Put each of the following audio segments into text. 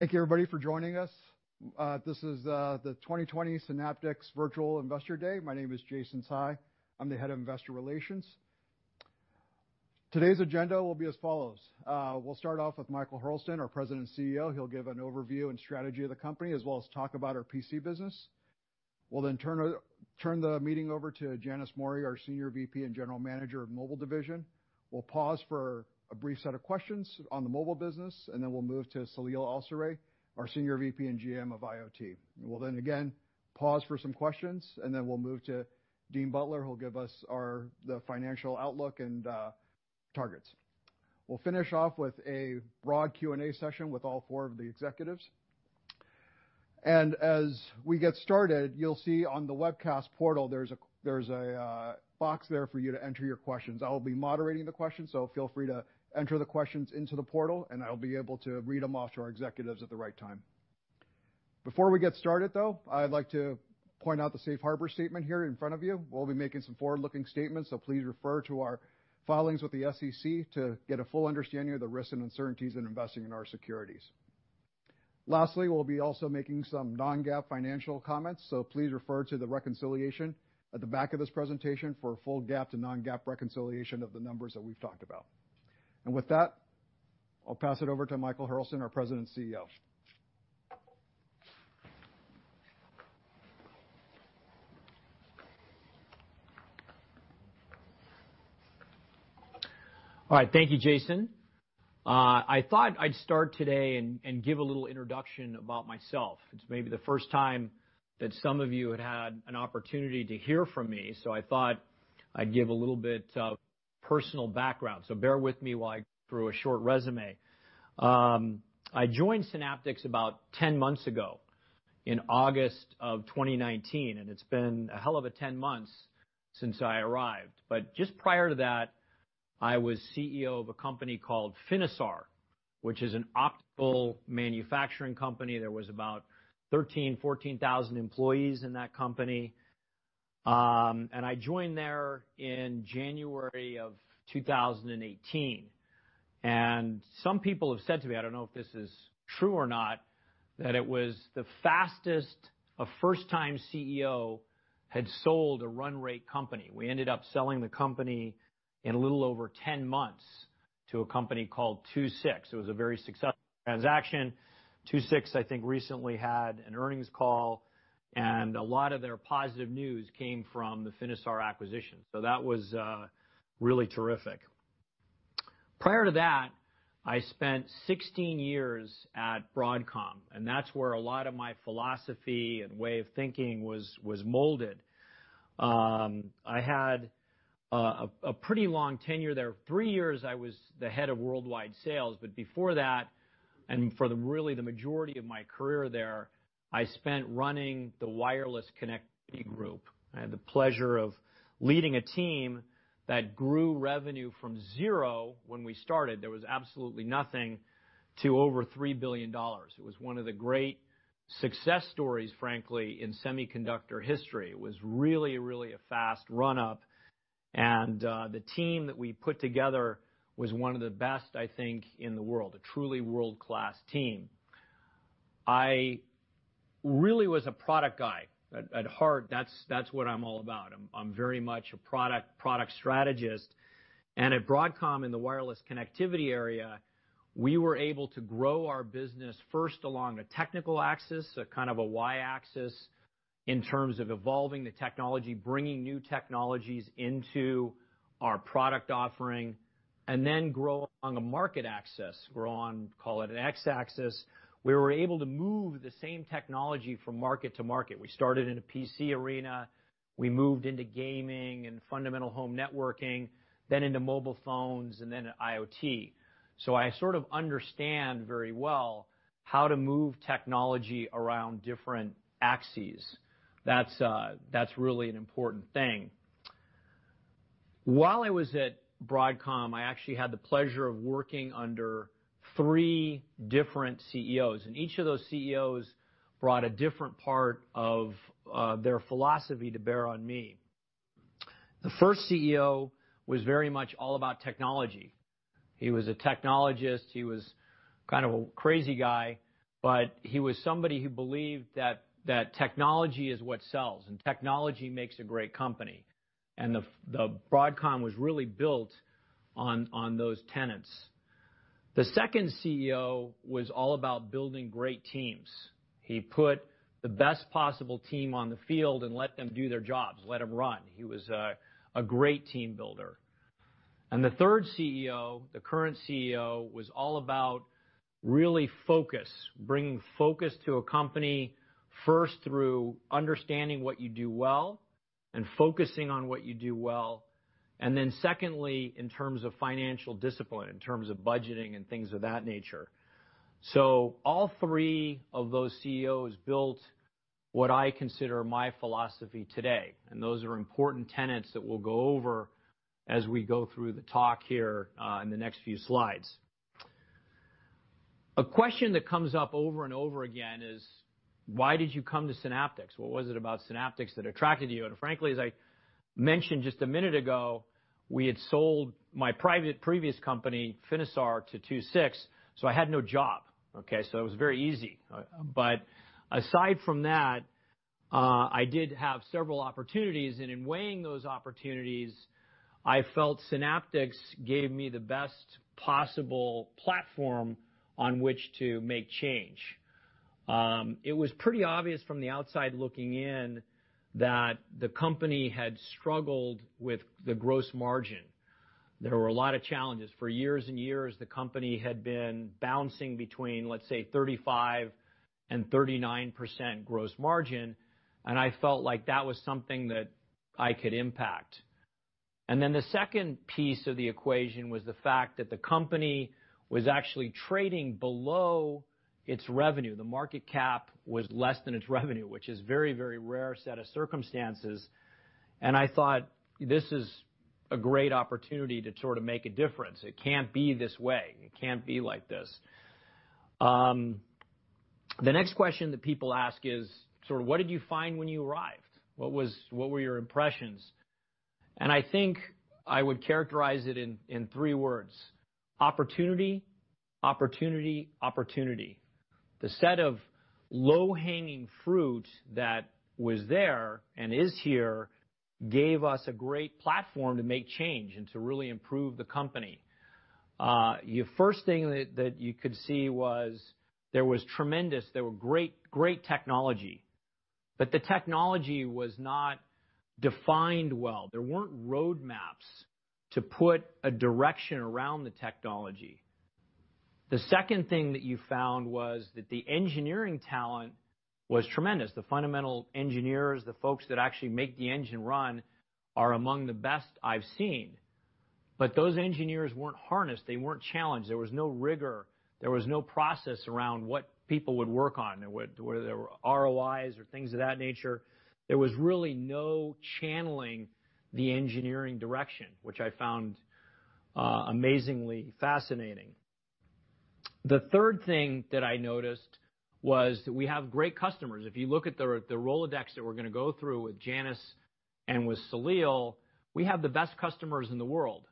Thank you, everybody, for joining us. This is the 2020 Synaptics Virtual Investor Day. My name is Jason Tsai. I'm the head of Investor Relations. Today's agenda will be as follows. We'll start off with Michael Hurlston, our President and CEO. He'll give an overview and strategy of the company, as well as talk about our PC business. We'll turn the meeting over to Janice Mori, our Senior VP and General Manager of Mobile Division. We'll pause for a brief set of questions on the mobile business. We'll move to Saleel Awsare, our Senior VP and GM of IoT. We'll again pause for some questions. We'll move to Dean Butler, who'll give us the financial outlook and targets. We'll finish off with a broad Q&A session with all four of the executives. As we get started, you'll see on the webcast portal there's a box there for you to enter your questions. I'll be moderating the questions, so feel free to enter the questions into the portal, and I'll be able to read them off to our executives at the right time. Before we get started, though, I'd like to point out the safe harbor statement here in front of you. We'll be making some forward-looking statements, so please refer to our filings with the SEC to get a full understanding of the risks and uncertainties in investing in our securities. Lastly, we'll be also making some non-GAAP financial comments, so please refer to the reconciliation at the back of this presentation for a full GAAP to non-GAAP reconciliation of the numbers that we've talked about. With that, I'll pass it over to Michael Hurlston, our President and CEO. Right. Thank you, Jason. I thought I'd start today and give a little introduction about myself. It's maybe the first time that some of you have had an opportunity to hear from me, so I thought I'd give a little bit of personal background. Bear with me while I go through a short resume. I joined Synaptics about 10 months ago in August of 2019, and it's been a hell of a 10 months since I arrived. Just prior to that, I was CEO of a company called Finisar, which is an optical manufacturing company. There was about 13,000, 14,000 employees in that company. I joined there in January 2018. Some people have said to me, I don't know if this is true or not, that it was the fastest a first-time CEO had sold a run-rate company. We ended up selling the company in a little over 10 months to a company called II-VI. It was a very successful transaction. II-VI, I think, recently had an earnings call, and a lot of their positive news came from the Finisar acquisition, so that was really terrific. Prior to that, I spent 16 years at Broadcom, and that's where a lot of my philosophy and way of thinking was molded. I had a pretty long tenure there. Three years I was the head of worldwide sales, but before that, and for really the majority of my career there, I spent running the wireless connectivity group. I had the pleasure of leading a team that grew revenue from zero when we started, there was absolutely nothing, to over $3 billion. It was one of the great success stories, frankly, in semiconductor history. It was really a fast run-up, and the team that we put together was one of the best, I think, in the world, a truly world-class team. I really was a product guy. At heart, that's what I'm all about. I'm very much a product strategist. At Broadcom, in the wireless connectivity area, we were able to grow our business first along a technical axis, a kind of a Y-axis, in terms of evolving the technology, bringing new technologies into our product offering, and then grow along a market axis, grow on, call it an X-axis, where we were able to move the same technology from market to market. We started in a PC arena. We moved into gaming and fundamental home networking, then into mobile phones, and then IoT. I sort of understand very well how to move technology around different axes. That's really an important thing. While I was at Broadcom, I actually had the pleasure of working under three different CEOs, and each of those CEOs brought a different part of their philosophy to bear on me. The first CEO was very much all about technology. He was a technologist. He was kind of a crazy guy, but he was somebody who believed that technology is what sells, and technology makes a great company. Broadcom was really built on those tenets. The second CEO was all about building great teams. He put the best possible team on the field and let them do their jobs, let them run. He was a great team builder. The third CEO, the current CEO, was all about really focus, bringing focus to a company, first, through understanding what you do well and focusing on what you do well, secondly, in terms of financial discipline, in terms of budgeting and things of that nature. All three of those CEOs built what I consider my philosophy today, and those are important tenets that we'll go over as we go through the talk here in the next few slides. A question that comes up over and over again is, why did you come to Synaptics? What was it about Synaptics that attracted you? Frankly, as I mentioned just a minute ago, we had sold my private previous company, Finisar, to II-VI, so I had no job. Okay, it was very easy. Aside from that, I did have several opportunities. In weighing those opportunities, I felt Synaptics gave me the best possible platform on which to make change. It was pretty obvious from the outside looking in that the company had struggled with the gross margin. There were a lot of challenges. For years and years, the company had been bouncing between, let's say, 35% and 39% gross margin, and I felt like that was something that I could impact. Then the second piece of the equation was the fact that the company was actually trading below its revenue. The market cap was less than its revenue, which is a very rare set of circumstances. I thought this is a great opportunity to sort of make a difference. It can't be this way. It can't be like this. The next question that people ask is sort of, what did you find when you arrived? What were your impressions? I think I would characterize it in three words, opportunity, opportunity, opportunity. The set of low-hanging fruit that was there and is here gave us a great platform to make change and to really improve the company. First thing that you could see was there were great technology, the technology was not defined well. There weren't roadmaps to put a direction around the technology. The second thing that you found was that the engineering talent was tremendous. The fundamental engineers, the folks that actually make the engine run, are among the best I've seen. Those engineers weren't harnessed. They weren't challenged. There was no rigor. There was no process around what people would work on, whether there were ROIs or things of that nature. There was really no channeling the engineering direction, which I found amazingly fascinating. The third thing that I noticed was that we have great customers. If you look at the Rolodex that we're going to go through with Janice and with Saleel, we have the best customers in the world.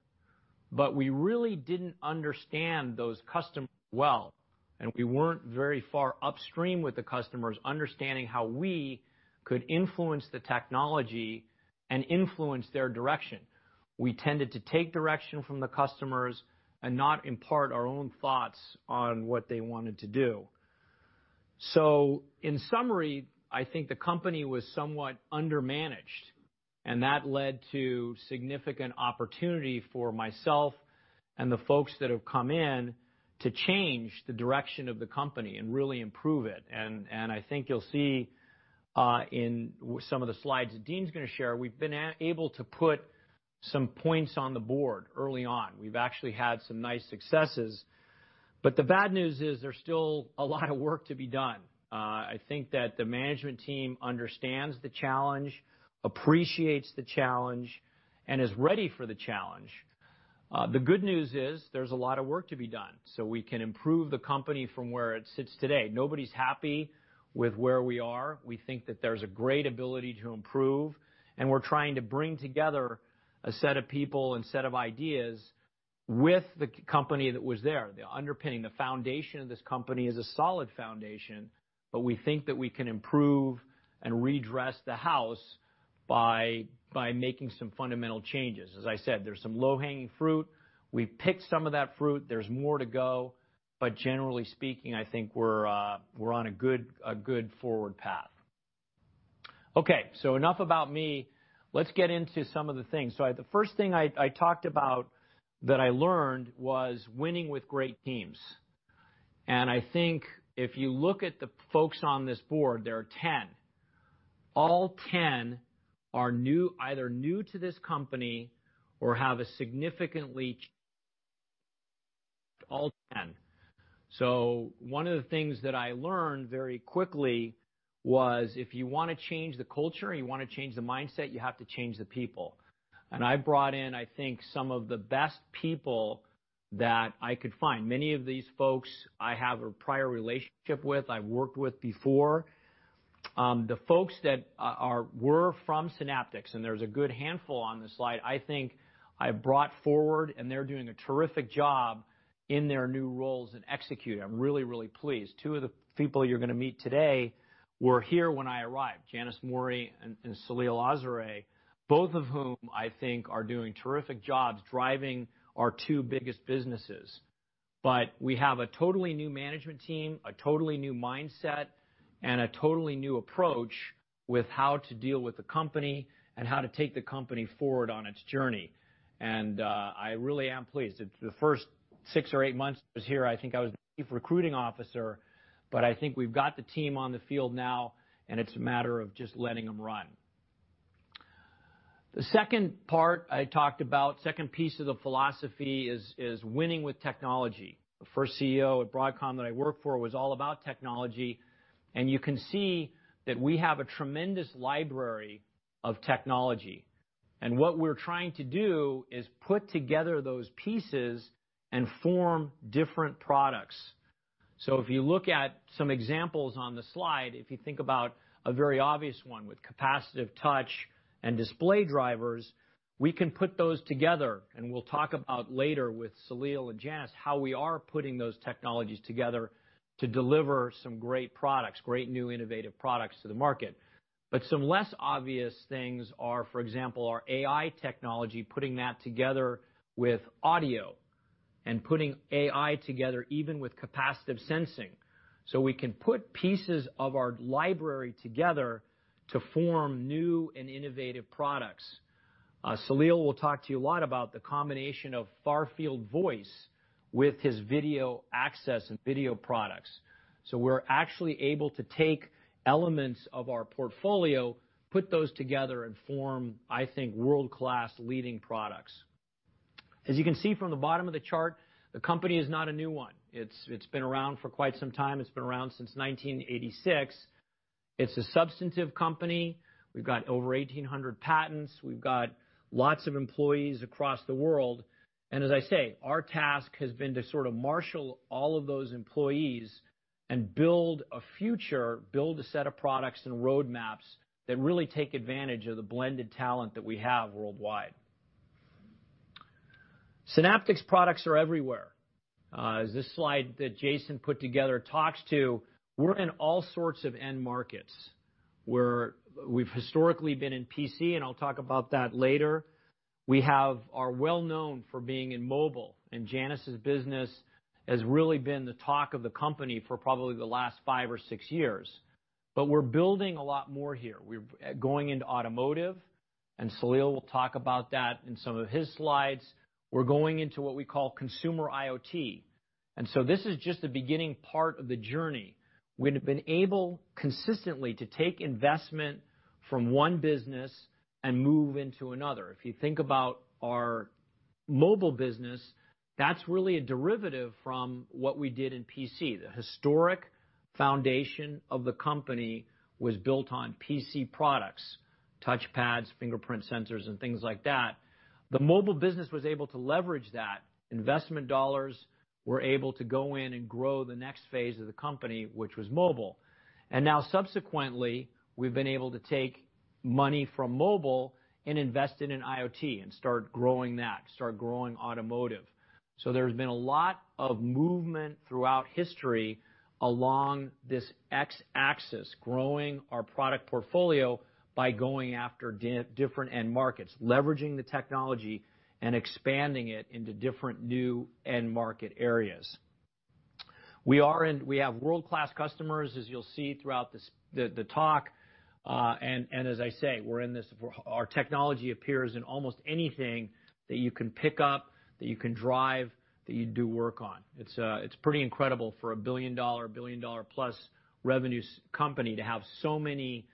We really didn't understand those customers well, and we weren't very far upstream with the customers understanding how we could influence the technology and influence their direction. We tended to take direction from the customers and not impart our own thoughts on what they wanted to do. In summary, I think the company was somewhat undermanaged, and that led to significant opportunity for myself and the folks that have come in to change the direction of the company and really improve it. I think you'll see in some of the slides Dean's going to share, we've been able to put some points on the board early on. We've actually had some nice successes, but the bad news is there's still a lot of work to be done. I think that the management team understands the challenge, appreciates the challenge, and is ready for the challenge. The good news is there's a lot of work to be done, so we can improve the company from where it sits today. Nobody's happy with where we are. We think that there's a great ability to improve, and we're trying to bring together a set of people and set of ideas with the company that was there. The underpinning, the foundation of this company is a solid foundation, but we think that we can improve and redress the house by making some fundamental changes. As I said, there's some low-hanging fruit. We've picked some of that fruit. There's more to go. Generally speaking, I think we're on a good forward path. Enough about me. Let's get into some of the things. The first thing I talked about that I learned was winning with great teams. I think if you look at the folks on this board, there are 10. All 10 are either new to this company or have a significantly all 10. One of the things that I learned very quickly was if you want to change the culture, you want to change the mindset, you have to change the people. I brought in, I think, some of the best people that I could find. Many of these folks I have a prior relationship with, I've worked with before. The folks that were from Synaptics, and there's a good handful on this slide, I think I've brought forward and they're doing a terrific job in their new roles and executing. I'm really pleased. Two of the people you're going to meet today were here when I arrived, Janice Mori and Saleel Awsare, both of whom I think are doing terrific jobs driving our two biggest businesses. We have a totally new management team, a totally new mindset, and a totally new approach with how to deal with the company and how to take the company forward on its journey. I really am pleased. The first six or eight months I was here, I think I was the chief recruiting officer, but I think we've got the team on the field now, and it's a matter of just letting them run. The second part I talked about, second piece of the philosophy, is winning with technology. The first CEO at Broadcom that I worked for was all about technology, and you can see that we have a tremendous library of technology. What we're trying to do is put together those pieces and form different products. If you look at some examples on the slide, if you think about a very obvious one with capacitive touch and display drivers, we can put those together, and we'll talk about later with Saleel and Janice how we are putting those technologies together to deliver some great products, great new innovative products to the market. Some less obvious things are, for example, our AI technology, putting that together with audio, and putting AI together even with capacitive sensing. We can put pieces of our library together to form new and innovative products. Saleel will talk to you a lot about the combination of far-field voice with his video access and video products. We're actually able to take elements of our portfolio, put those together, and form, I think, world-class leading products. As you can see from the bottom of the chart, the company is not a new one. It's been around for quite some time. It's been around since 1986. It's a substantive company. We've got over 1,800 patents. We've got lots of employees across the world. As I say, our task has been to sort of marshal all of those employees and build a future, build a set of products and roadmaps that really take advantage of the blended talent that we have worldwide. Synaptics products are everywhere. As this slide that Jason put together talks to, we're in all sorts of end markets, where we've historically been in PC, and I'll talk about that later. We are well known for being in mobile, and Janice's business has really been the talk of the company for probably the last five or six years. We're building a lot more here. We're going into automotive, and Saleel will talk about that in some of his slides. We're going into what we call consumer IoT. This is just the beginning part of the journey. We have been able consistently to take investment from one business and move into another. If you think about our mobile business, that's really a derivative from what we did in PC. The historic foundation of the company was built on PC products, touchpads, fingerprint sensors, and things like that. The mobile business was able to leverage that. Investment dollars were able to go in and grow the next phase of the company, which was mobile. Now subsequently, we've been able to take money from mobile and invest it in IoT and start growing that, start growing automotive. There's been a lot of movement throughout history along this X-axis, growing our product portfolio by going after different end markets, leveraging the technology and expanding it into different new end market areas. We have world-class customers, as you'll see throughout the talk. As I say, our technology appears in almost anything that you can pick up, that you can drive, that you do work on. It's pretty incredible for a billion-dollar plus revenues company to have so many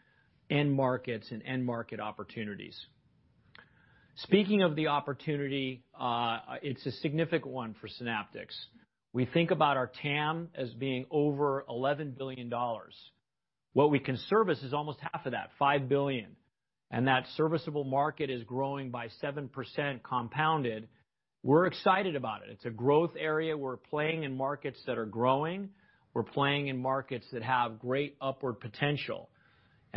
end markets and end market opportunities. Speaking of the opportunity, it's a significant one for Synaptics. We think about our TAM as being over $11 billion. What we can service is almost half of that, $5 billion. That serviceable market is growing by 7% compounded. We're excited about it. It's a growth area. We're playing in markets that are growing. We're playing in markets that have great upward potential.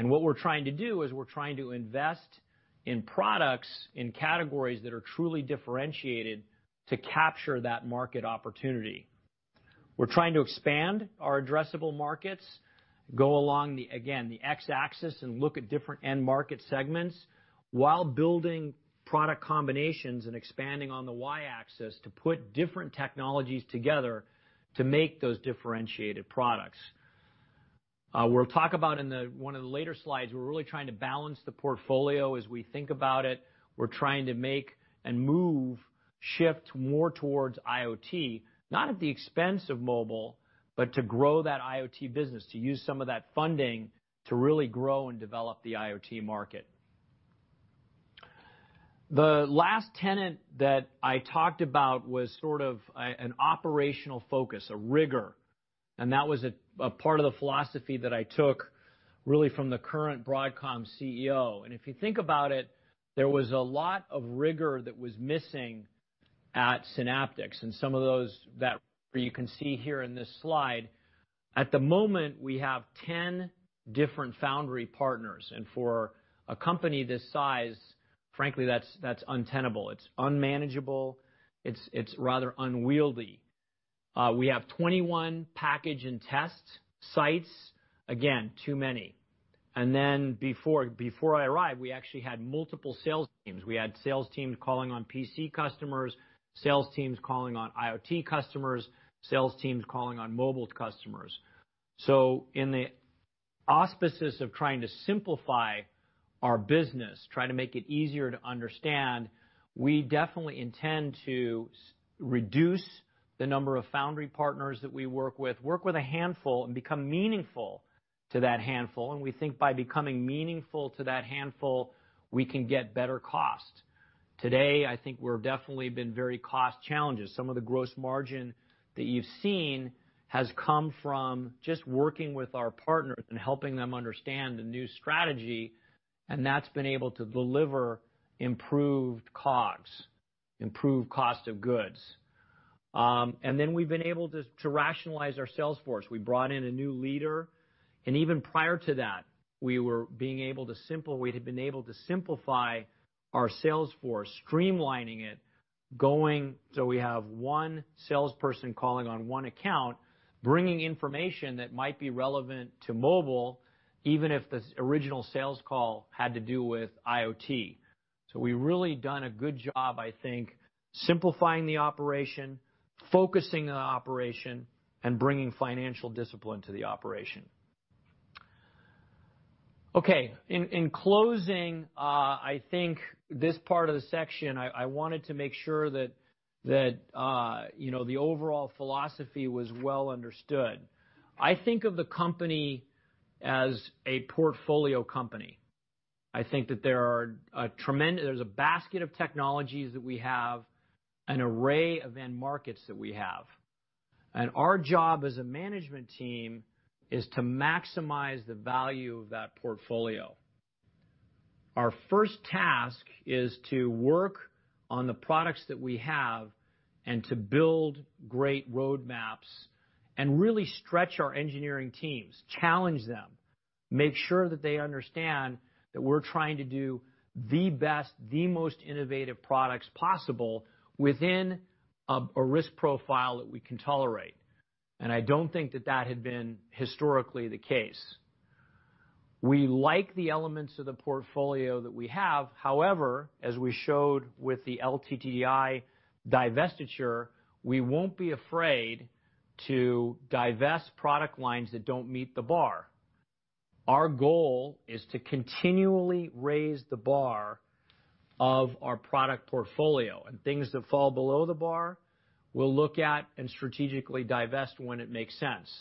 What we're trying to do is we're trying to invest in products, in categories that are truly differentiated to capture that market opportunity. We're trying to expand our addressable markets, go along, again, the X-axis and look at different end market segments while building product combinations and expanding on the Y-axis to put different technologies together to make those differentiated products. We'll talk about in one of the later slides, we're really trying to balance the portfolio as we think about it. We're trying to make and move, shift more towards IoT, not at the expense of mobile, but to grow that IoT business, to use some of that funding to really grow and develop the IoT market. The last tenant that I talked about was sort of an operational focus or rigor. That was a part of the philosophy that I took really from the current Broadcom CEO. If you think about it, there was a lot of rigor that was missing at Synaptics, and some of those that you can see here in this slide. At the moment, we have 10 different foundry partners. For a company this size, frankly, that's untenable. It's unmanageable. It's rather unwieldy. We have 21 package and test sites. Again, too many. Before I arrived, we actually had multiple sales teams. We had sales teams calling on PC customers, sales teams calling on IoT customers, sales teams calling on mobile customers. In the auspices of trying to simplify our business, try to make it easier to understand, we definitely intend to reduce the number of foundry partners that we work with, work with a handful and become meaningful to that handful. We think by becoming meaningful to that handful, we can get better costs. Today, I think we've definitely been very cost challenged. Some of the gross margin that you've seen has come from just working with our partners and helping them understand the new strategy, and that's been able to deliver improved COGS, improved cost of goods. We've been able to rationalize our sales force. We brought in a new leader, and even prior to that, we had been able to simplify our sales force, streamlining it, so we have one salesperson calling on one account, bringing information that might be relevant to mobile, even if the original sales call had to do with IoT. We've really done a good job, I think, simplifying the operation, focusing on the operation, and bringing financial discipline to the operation. Okay. In closing, I think this part of the section, I wanted to make sure that the overall philosophy was well understood. I think of the company as a portfolio company. I think that there's a basket of technologies that we have, an array of end markets that we have. Our job as a management team is to maximize the value of that portfolio. Our first task is to work on the products that we have and to build great roadmaps and really stretch our engineering teams, challenge them, make sure that they understand that we're trying to do the best, the most innovative products possible within a risk profile that we can tolerate. I don't think that that had been historically the case. We like the elements of the portfolio that we have. However, as we showed with the LTDI divestiture, we won't be afraid to divest product lines that don't meet the bar. Our goal is to continually raise the bar of our product portfolio, and things that fall below the bar, we'll look at and strategically divest when it makes sense.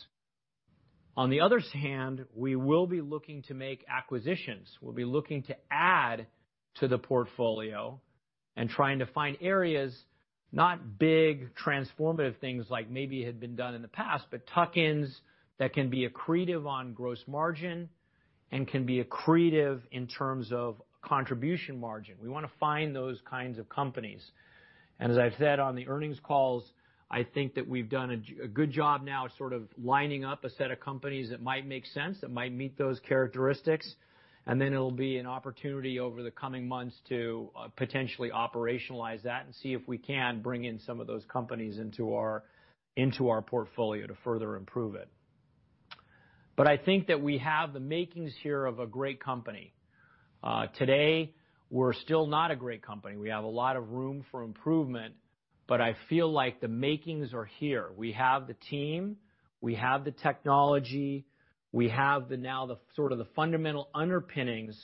On the other hand, we will be looking to make acquisitions. We'll be looking to add to the portfolio and trying to find areas, not big transformative things like maybe had been done in the past, but tuck-ins that can be accretive on gross margin and can be accretive in terms of contribution margin. We want to find those kinds of companies. As I've said on the earnings calls, I think that we've done a good job now sort of lining up a set of companies that might make sense, that might meet those characteristics. It'll be an opportunity over the coming months to potentially operationalize that and see if we can bring in some of those companies into our portfolio to further improve it. I think that we have the makings here of a great company. Today, we're still not a great company. We have a lot of room for improvement, but I feel like the makings are here. We have the team, we have the technology, we have now the sort of the fundamental underpinnings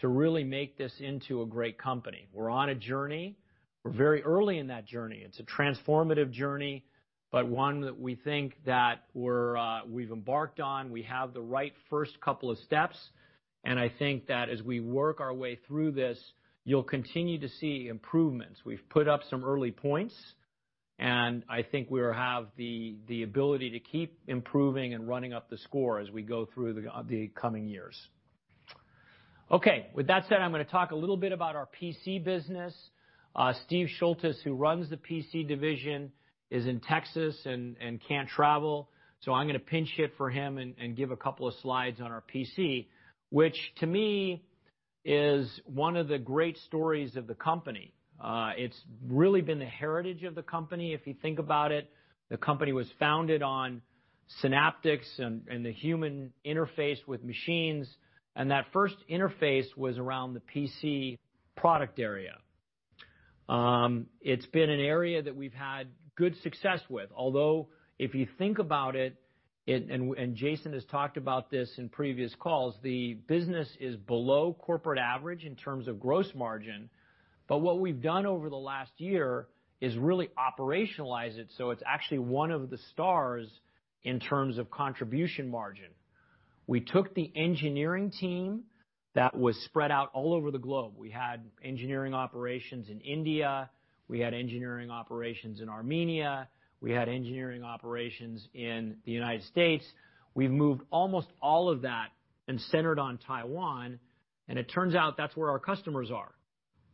to really make this into a great company. We're on a journey. We're very early in that journey. It's a transformative journey, but one that we think that we've embarked on. We have the right first couple of steps, and I think that as we work our way through this, you'll continue to see improvements. We've put up some early points, and I think we have the ability to keep improving and running up the score as we go through the coming years. Okay. With that said, I'm going to talk a little bit about our PC business. Steve Schultis, who runs the PC division, is in Texas and can't travel, so I'm going to pinch hit for him and give a couple of slides on our PC, which to me is one of the great stories of the company. It's really been the heritage of the company, if you think about it. The company was founded on Synaptics and the human interface with machines, and that first interface was around the PC product area. It's been an area that we've had good success with, although if you think about it, and Jason has talked about this in previous calls, the business is below corporate average in terms of gross margin. What we've done over the last year is really operationalize it, so it's actually one of the stars in terms of contribution margin. We took the engineering team that was spread out all over the globe. We had engineering operations in India, we had engineering operations in Armenia, we had engineering operations in the U.S. We've moved almost all of that and centered on Taiwan, and it turns out that's where our customers are.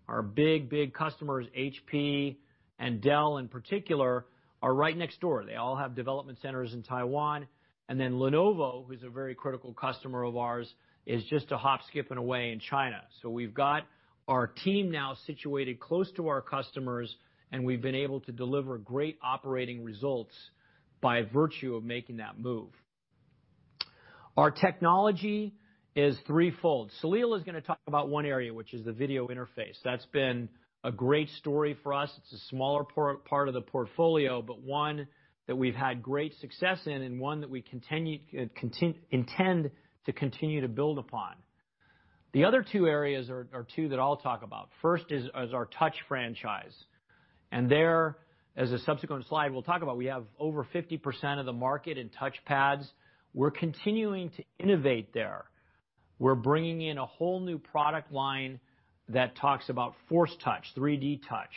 Our big customers, HP and Dell in particular, are right next door. They all have development centers in Taiwan. Lenovo, who's a very critical customer of ours, is just a hop, skip, and away in China. We've got our team now situated close to our customers, and we've been able to deliver great operating results by virtue of making that move. Our technology is threefold. Saleel is going to talk about one area, which is the video interface. That's been a great story for us. It's a smaller part of the portfolio, but one that we've had great success in and one that we intend to continue to build upon. The other two areas are two that I'll talk about. First is our touch franchise. There, as a subsequent slide, we'll talk about, we have over 50% of the market in touch pads. We're continuing to innovate there. We're bringing in a whole new product line that talks about Force Touch, 3D Touch,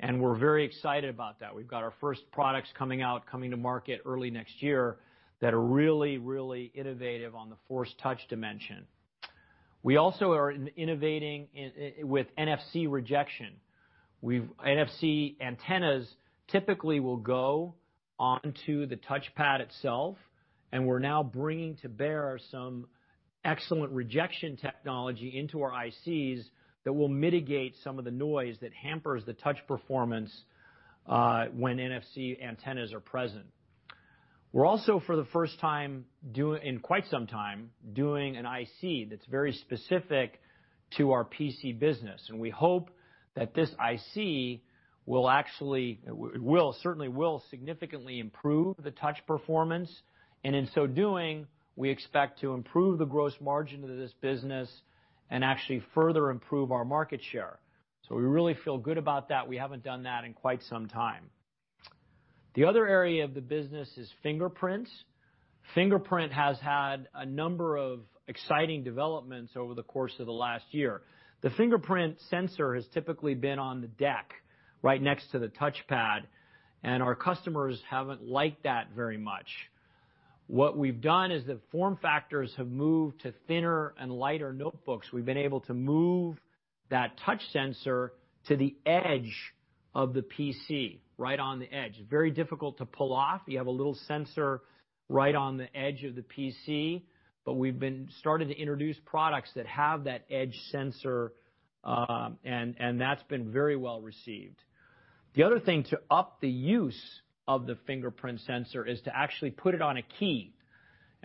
and we're very excited about that. We've got our first products coming out, coming to market early next year that are really, really innovative on the Force Touch dimension. We also are innovating with NFC rejection. NFC antennas typically will go onto the touch pad itself, and we're now bringing to bear some excellent rejection technology into our ICs that will mitigate some of the noise that hampers the touch performance when NFC antennas are present. We're also, for the first time in quite some time, doing an IC that's very specific to our PC business, and we hope that this IC will certainly significantly improve the touch performance. In so doing, we expect to improve the gross margin of this business and actually further improve our market share. We really feel good about that. We haven't done that in quite some time. The other area of the business is fingerprints. Fingerprint has had a number of exciting developments over the course of the last year. The fingerprint sensor has typically been on the deck right next to the touchpad, and our customers haven't liked that very much. What we've done is the form factors have moved to thinner and lighter notebooks. We've been able to move that touch sensor to the edge of the PC, right on the edge. Very difficult to pull off. You have a little sensor right on the edge of the PC, but we've been starting to introduce products that have that edge sensor, and that's been very well received. The other thing to up the use of the fingerprint sensor is to actually put it on a key.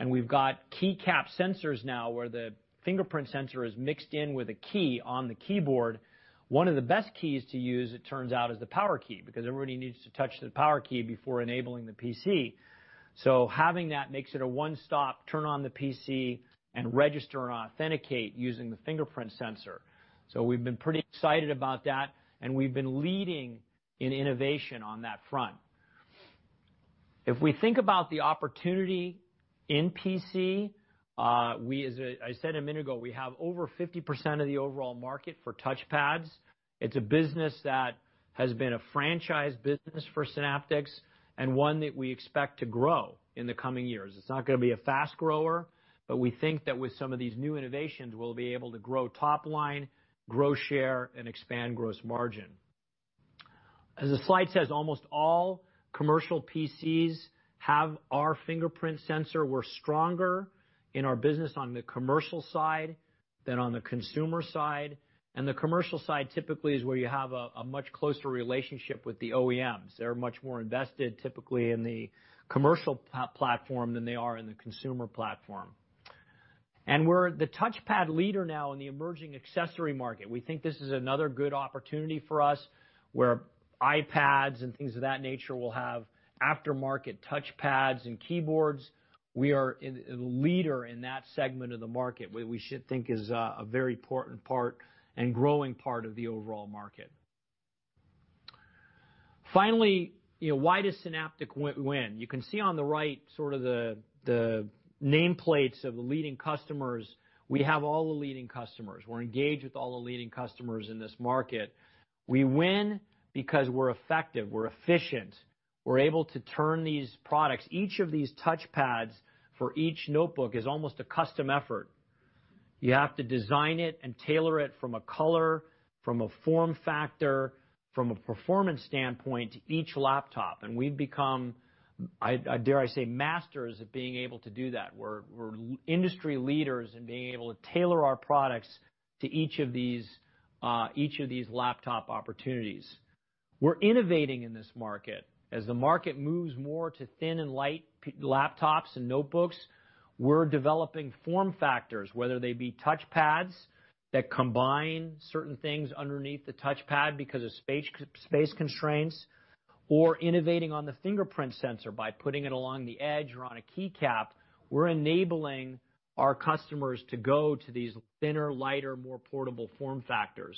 We've got key cap sensors now where the fingerprint sensor is mixed in with a key on the keyboard. One of the best keys to use, it turns out, is the power key because everybody needs to touch the power key before enabling the PC. Having that makes it a one-stop turn on the PC and register and authenticate using the fingerprint sensor. We've been pretty excited about that and we've been leading in innovation on that front. If we think about the opportunity in PC, as I said a minute ago, we have over 50% of the overall market for touch pads. It's a business that has been a franchise business for Synaptics and one that we expect to grow in the coming years. It's not going to be a fast grower, but we think that with some of these new innovations, we'll be able to grow top line, grow share, and expand gross margin. As the slide says, almost all commercial PCs have our fingerprint sensor. We're stronger in our business on the commercial side than on the consumer side. The commercial side typically is where you have a much closer relationship with the OEMs. They're much more invested, typically, in the commercial platform than they are in the consumer platform. We're the touch pad leader now in the emerging accessory market. We think this is another good opportunity for us, where iPads and things of that nature will have aftermarket touch pads and keyboards. We are a leader in that segment of the market, we should think is a very important part and growing part of the overall market. Finally, why does Synaptics win? You can see on the right sort of the nameplates of the leading customers. We have all the leading customers. We're engaged with all the leading customers in this market. We win because we're effective, we're efficient. We're able to turn these products. Each of these touch pads for each notebook is almost a custom effort. You have to design it and tailor it from a color, from a form factor, from a performance standpoint to each laptop. We've become, dare I say, masters at being able to do that. We're industry leaders in being able to tailor our products to each of these laptop opportunities. We're innovating in this market. As the market moves more to thin and light laptops and notebooks, we're developing form factors, whether they be touch pads that combine certain things underneath the touch pad because of space constraints, or innovating on the fingerprint sensor by putting it along the edge or on a key cap. We're enabling our customers to go to these thinner, lighter, more portable form factors.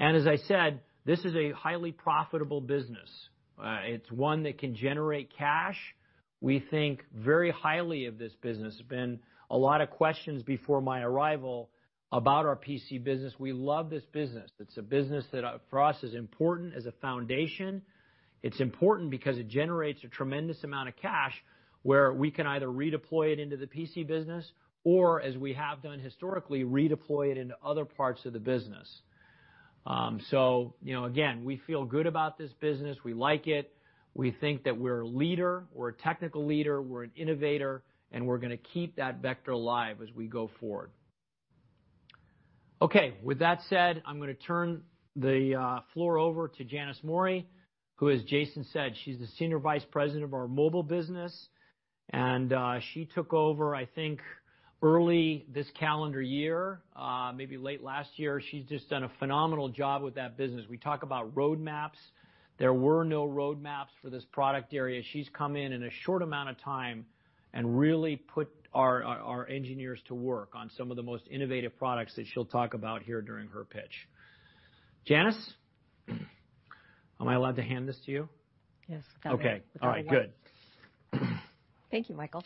As I said, this is a highly profitable business. It's one that can generate cash. We think very highly of this business. There've been a lot of questions before my arrival about our PC business. We love this business. It's a business that, for us, is important as a foundation. It's important because it generates a tremendous amount of cash, where we can either redeploy it into the PC business or, as we have done historically, redeploy it into other parts of the business. Again, we feel good about this business. We like it. We think that we're a leader, we're a technical leader, we're an innovator, and we're going to keep that vector alive as we go forward. Okay. With that said, I'm going to turn the floor over to Janice Mori, who, as Jason said, she's the Senior Vice President of our mobile business. She took over, I think, early this calendar year, maybe late last year. She's just done a phenomenal job with that business. We talk about roadmaps. There were no roadmaps for this product area. She's come in in a short amount of time and really put our engineers to work on some of the most innovative products that she'll talk about here during her pitch. Janice, am I allowed to hand this to you? Yes. Okay. All right, good. Thank you, Michael.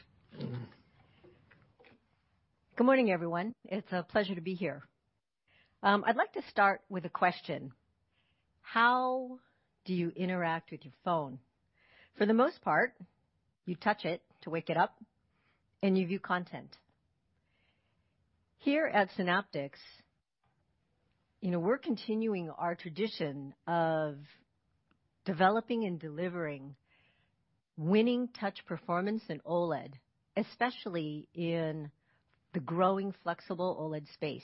Good morning, everyone. It's a pleasure to be here. I'd like to start with a question. How do you interact with your phone? For the most part, you touch it to wake it up, and you view content. Here at Synaptics, we're continuing our tradition of developing and delivering winning touch performance in OLED, especially in the growing flexible OLED space.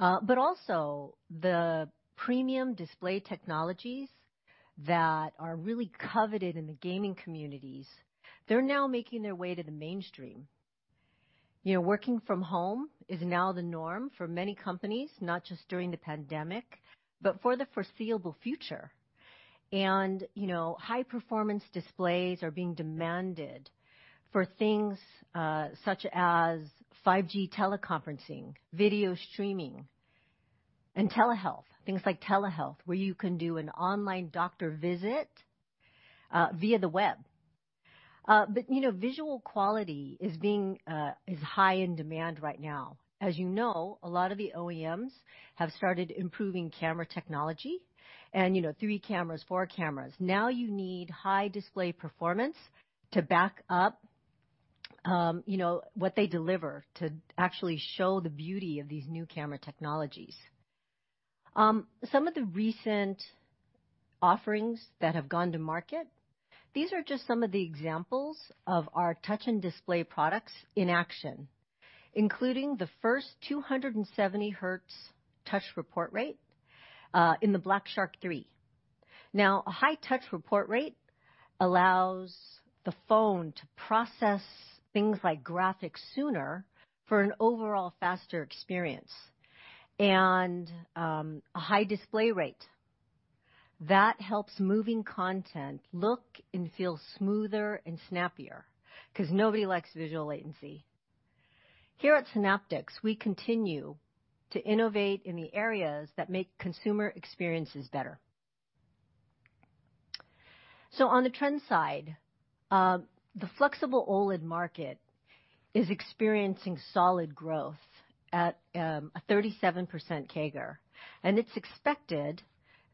Also, the premium display technologies that are really coveted in the gaming communities, they're now making their way to the mainstream. Working from home is now the norm for many companies, not just during the pandemic, but for the foreseeable future. High-performance displays are being demanded for things such as 5G teleconferencing, video streaming, and telehealth, things like telehealth, where you can do an online doctor visit via the web. Visual quality is high in demand right now. As you know, a lot of the OEMs have started improving camera technology, and three cameras, four cameras. You need high display performance to back up what they deliver to actually show the beauty of these new camera technologies. Some of the recent offerings that have gone to market, these are just some of the examples of our touch and display products in action, including the first 270 Hz touch report rate in the Black Shark 3. A high touch report rate allows the phone to process things like graphics sooner for an overall faster experience. A high display rate, that helps moving content look and feel smoother and snappier, because nobody likes visual latency. Here at Synaptics, we continue to innovate in the areas that make consumer experiences better. On the trend side, the flexible OLED market is experiencing solid growth at a 37% CAGR, and it's expected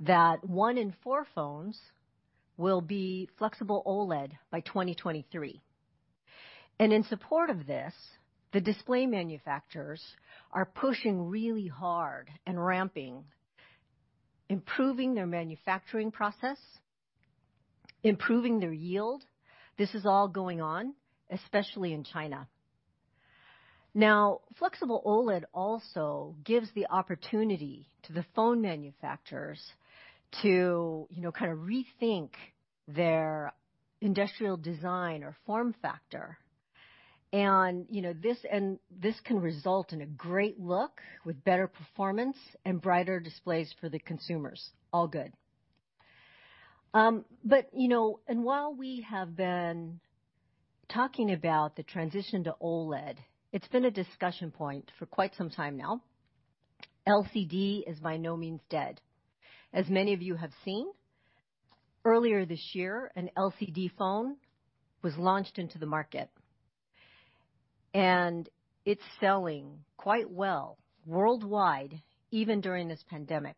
that one in four phones will be flexible OLED by 2023. In support of this, the display manufacturers are pushing really hard and ramping, improving their manufacturing process, improving their yield. This is all going on, especially in China. Flexible OLED also gives the opportunity to the phone manufacturers to kind of rethink their industrial design or form factor, and this can result in a great look with better performance and brighter displays for the consumers. All good. While we have been talking about the transition to OLED, it's been a discussion point for quite some time now. LCD is by no means dead. As many of you have seen, earlier this year, an LCD phone was launched into the market, and it's selling quite well worldwide, even during this pandemic.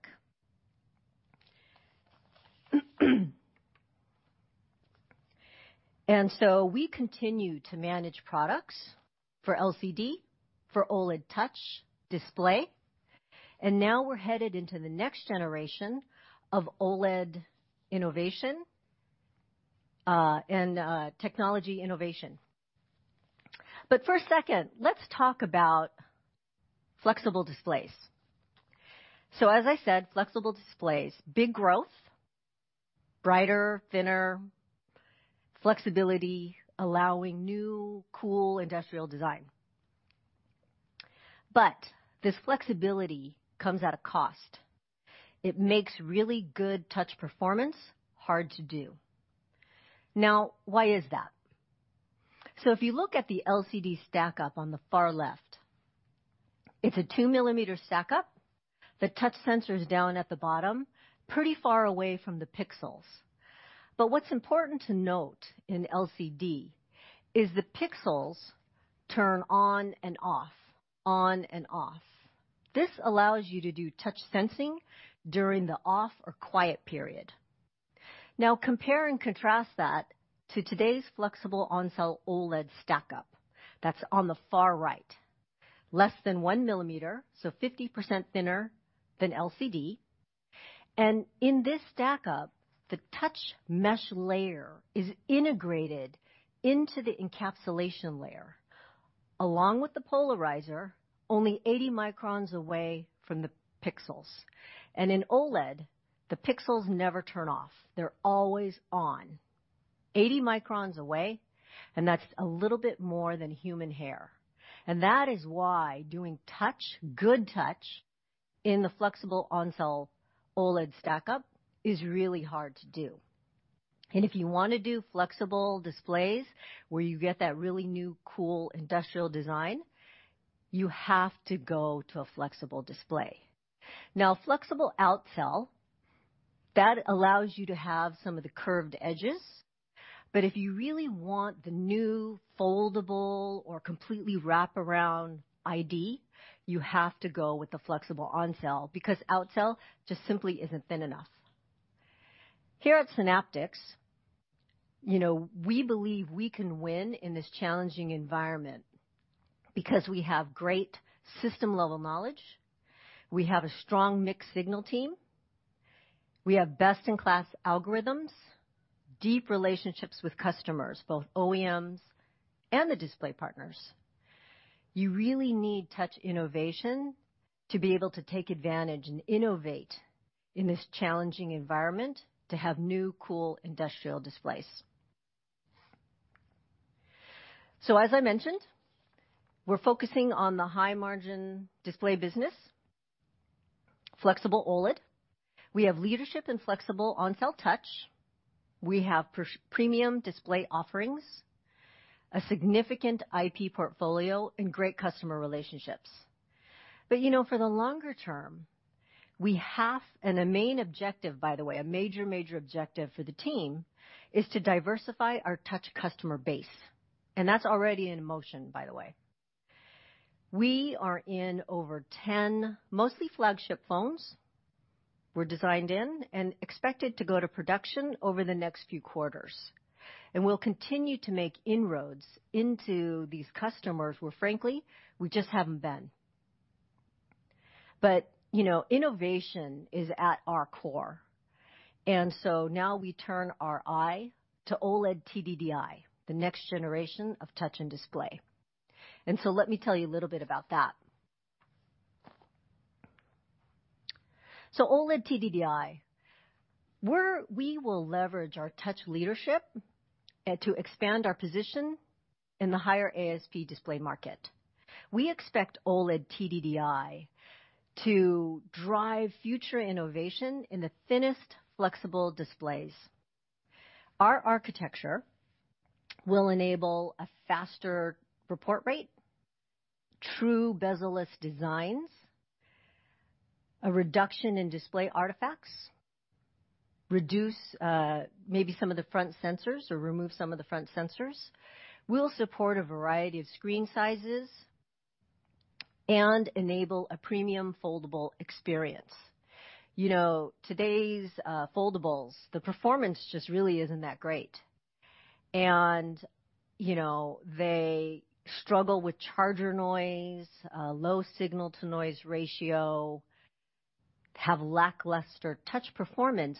We continue to manage products for LCD, for OLED touch display, and now we're headed into the next generation of OLED innovation and technology innovation. For a second, let's talk about flexible displays. As I said, flexible displays, big growth, brighter, thinner, flexibility, allowing new, cool industrial design. This flexibility comes at a cost. It makes really good touch performance hard to do. Now, why is that? If you look at the LCD stack-up on the far left, it's a two-millimeter stack-up. The touch sensor is down at the bottom, pretty far away from the pixels. What's important to note in LCD is the pixels turn on and off, on and off. This allows you to do touch sensing during the off or quiet period. Compare and contrast that to today's flexible on-cell OLED stack-up that's on the far right. Less than 1 millimeter, so 50% thinner than LCD. In this stack-up, the touch mesh layer is integrated into the encapsulation layer, along with the polarizer, only 80 microns away from the pixels. In OLED, the pixels never turn off. They're always on. 80 microns away, that's a little bit more than human hair. That is why doing touch, good touch, in the flexible on-cell OLED stack-up is really hard to do. If you want to do flexible displays where you get that really new, cool industrial design, you have to go to a flexible display. Flexible out-cell, that allows you to have some of the curved edges. If you really want the new foldable or completely wraparound ID, you have to go with the flexible on-cell, because out-cell just simply isn't thin enough. Here at Synaptics, we believe we can win in this challenging environment because we have great system-level knowledge, we have a strong mixed signal team, we have best-in-class algorithms, deep relationships with customers, both OEMs and the display partners. You really need touch innovation to be able to take advantage and innovate in this challenging environment to have new, cool industrial displays. As I mentioned, we're focusing on the high-margin display business, flexible OLED. We have leadership in flexible on-cell touch. We have premium display offerings, a significant IP portfolio, and great customer relationships. For the longer term, and a main objective, by the way, a major objective for the team, is to diversify our touch customer base. That's already in motion, by the way. We are in over 10, mostly flagship phones, were designed in and expected to go to production over the next few quarters. We'll continue to make inroads into these customers where frankly, we just haven't been. Innovation is at our core. Now we turn our eye to OLED TDDI, the next generation of touch and display. Let me tell you a little bit about that. OLED TDDI. We will leverage our touch leadership to expand our position in the higher ASP display market. We expect OLED TDDI to drive future innovation in the thinnest flexible displays. Our architecture will enable a faster report rate, true bezel-less designs, a reduction in display artifacts, reduce maybe some of the front sensors, or remove some of the front sensors. We'll support a variety of screen sizes and enable a premium foldable experience. Today's foldables, the performance just really isn't that great. They struggle with charger noise, low signal-to-noise ratio, have lackluster touch performance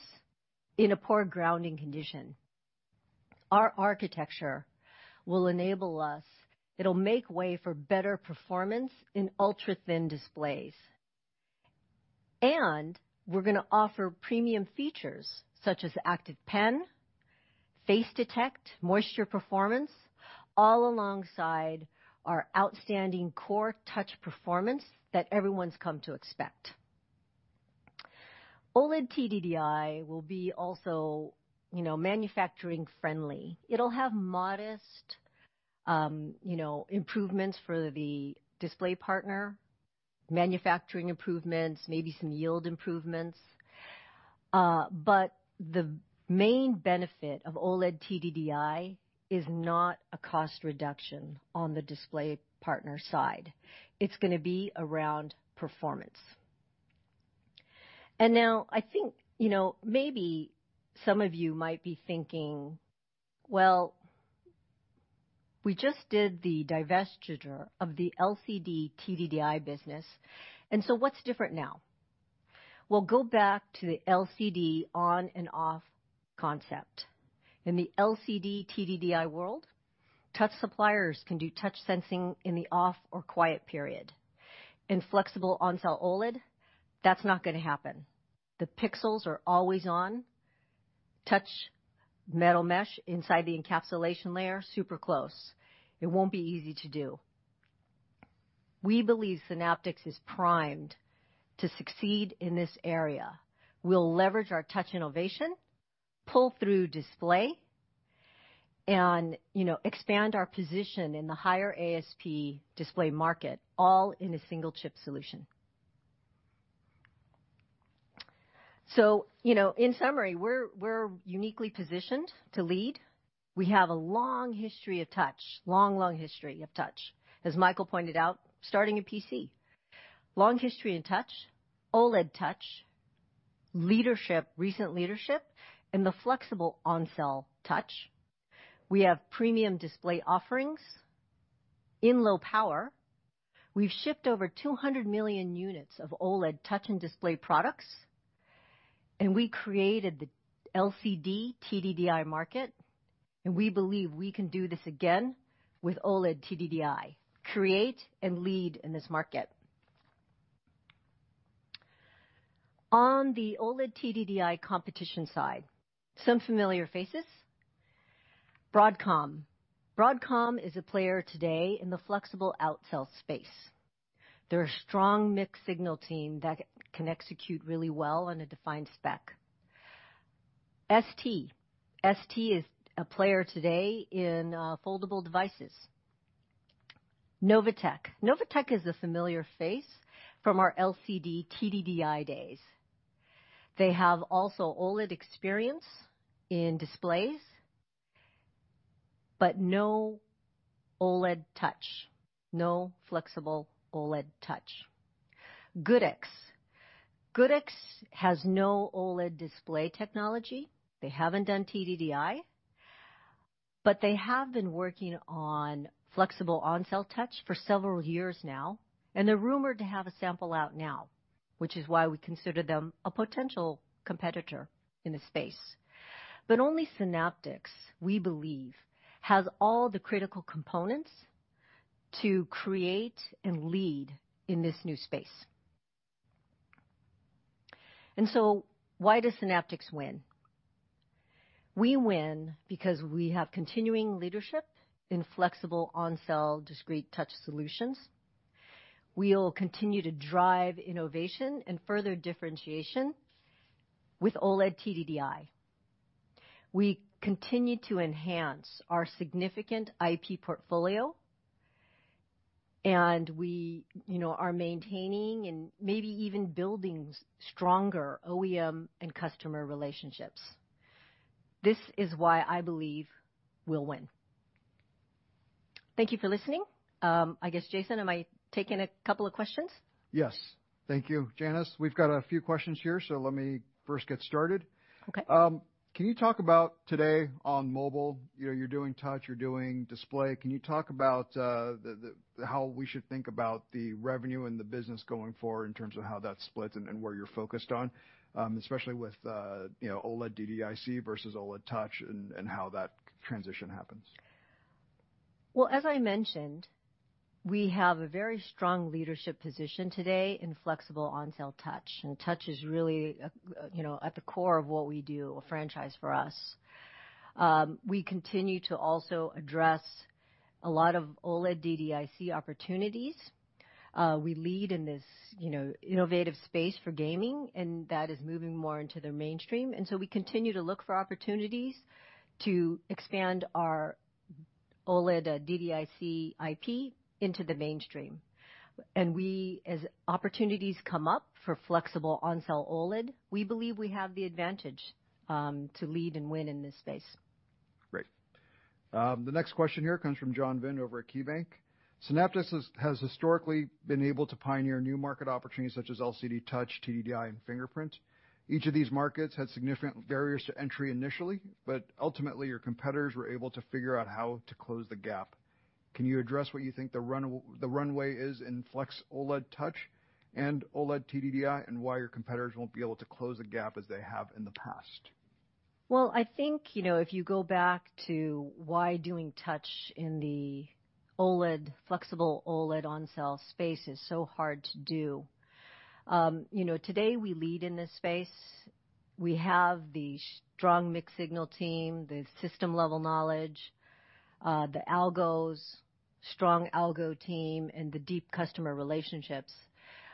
in a poor grounding condition. Our architecture will enable us, it'll make way for better performance in ultra-thin displays. We're going to offer premium features such as active pen, face detect, moisture performance, all alongside our outstanding core touch performance that everyone's come to expect. OLED TDDI will be also manufacturing friendly. It'll have modest improvements for the display partner, manufacturing improvements, maybe some yield improvements. The main benefit of OLED TDDI is not a cost reduction on the display partner side. It's going to be around performance. Now, I think maybe some of you might be thinking, "Well, we just did the divestiture of the LCD TDDI business, and so what's different now?" Well, go back to the LCD on and off concept. In the LCD TDDI world, touch suppliers can do touch sensing in the off or quiet period. In flexible on-cell OLED, that's not going to happen. The pixels are always on. Touch metal mesh inside the encapsulation layer, super close. It won't be easy to do. We believe Synaptics is primed to succeed in this area. We'll leverage our touch innovation, pull through display, and expand our position in the higher ASP display market, all in a single chip solution. In summary, we're uniquely positioned to lead. We have a long history of touch. As Michael pointed out, starting in PC. Long history in touch, OLED touch, recent leadership in the flexible on-cell touch. We have premium display offerings in low power. We've shipped over 200 million units of OLED touch and display products, and we created the LCD TDDI market, and we believe we can do this again with OLED TDDI, create and lead in this market. On the OLED TDDI competition side, some familiar faces. Broadcom. Broadcom is a player today in the flexible out-cell space. They're a strong mixed signal team that can execute really well on a defined spec. ST. ST is a player today in foldable devices. Novatek. Novatek is a familiar face from our LCD TDDI days. They have also OLED experience in displays, but no OLED touch, no flexible OLED touch. Goodix. Goodix has no OLED display technology. They haven't done TDDI, but they have been working on flexible on-cell touch for several years now, and they're rumored to have a sample out now, which is why we consider them a potential competitor in this space. Only Synaptics, we believe, has all the critical components to create and lead in this new space. Why does Synaptics win? We win because we have continuing leadership in flexible on-cell discrete touch solutions. We'll continue to drive innovation and further differentiation with OLED TDDI. We continue to enhance our significant IP portfolio, and we are maintaining and maybe even building stronger OEM and customer relationships. This is why I believe we'll win. Thank you for listening. I guess, Jason, am I taking a couple of questions? Yes. Thank you, Janice. We've got a few questions here, let me first get started. Okay. Can you talk about today on mobile, you're doing touch, you're doing display. Can you talk about how we should think about the revenue and the business going forward in terms of how that splits and where you're focused on, especially with OLED DDIC versus OLED touch and how that transition happens? Well, as I mentioned, we have a very strong leadership position today in flexible on-cell touch, and touch is really at the core of what we do, a franchise for us. We continue to also address a lot of OLED DDIC opportunities. We lead in this innovative space for gaming, and that is moving more into the mainstream. We continue to look for opportunities to expand our OLED DDIC IP into the mainstream. As opportunities come up for flexible on-cell OLED, we believe we have the advantage to lead and win in this space. Great. The next question here comes from John Vinh over at KeyBanc. Synaptics has historically been able to pioneer new market opportunities such as LCD touch, TDDI, and fingerprint. Each of these markets had significant barriers to entry initially, but ultimately, your competitors were able to figure out how to close the gap. Can you address what you think the runway is in flex OLED touch and OLED TDDI, and why your competitors won't be able to close the gap as they have in the past? I think, if you go back to why doing touch in the flexible OLED on-cell space is so hard to do. Today, we lead in this space. We have the strong mixed signal team, the system-level knowledge, the algos, strong algo team, and the deep customer relationships.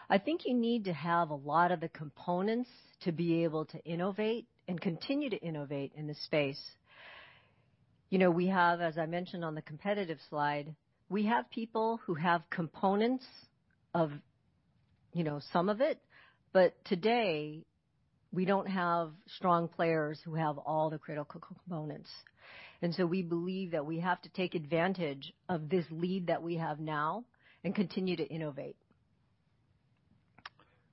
I think you need to have a lot of the components to be able to innovate and continue to innovate in this space. We have, as I mentioned on the competitive slide, we have people who have components of some of it, but today, we don't have strong players who have all the critical components. We believe that we have to take advantage of this lead that we have now and continue to innovate.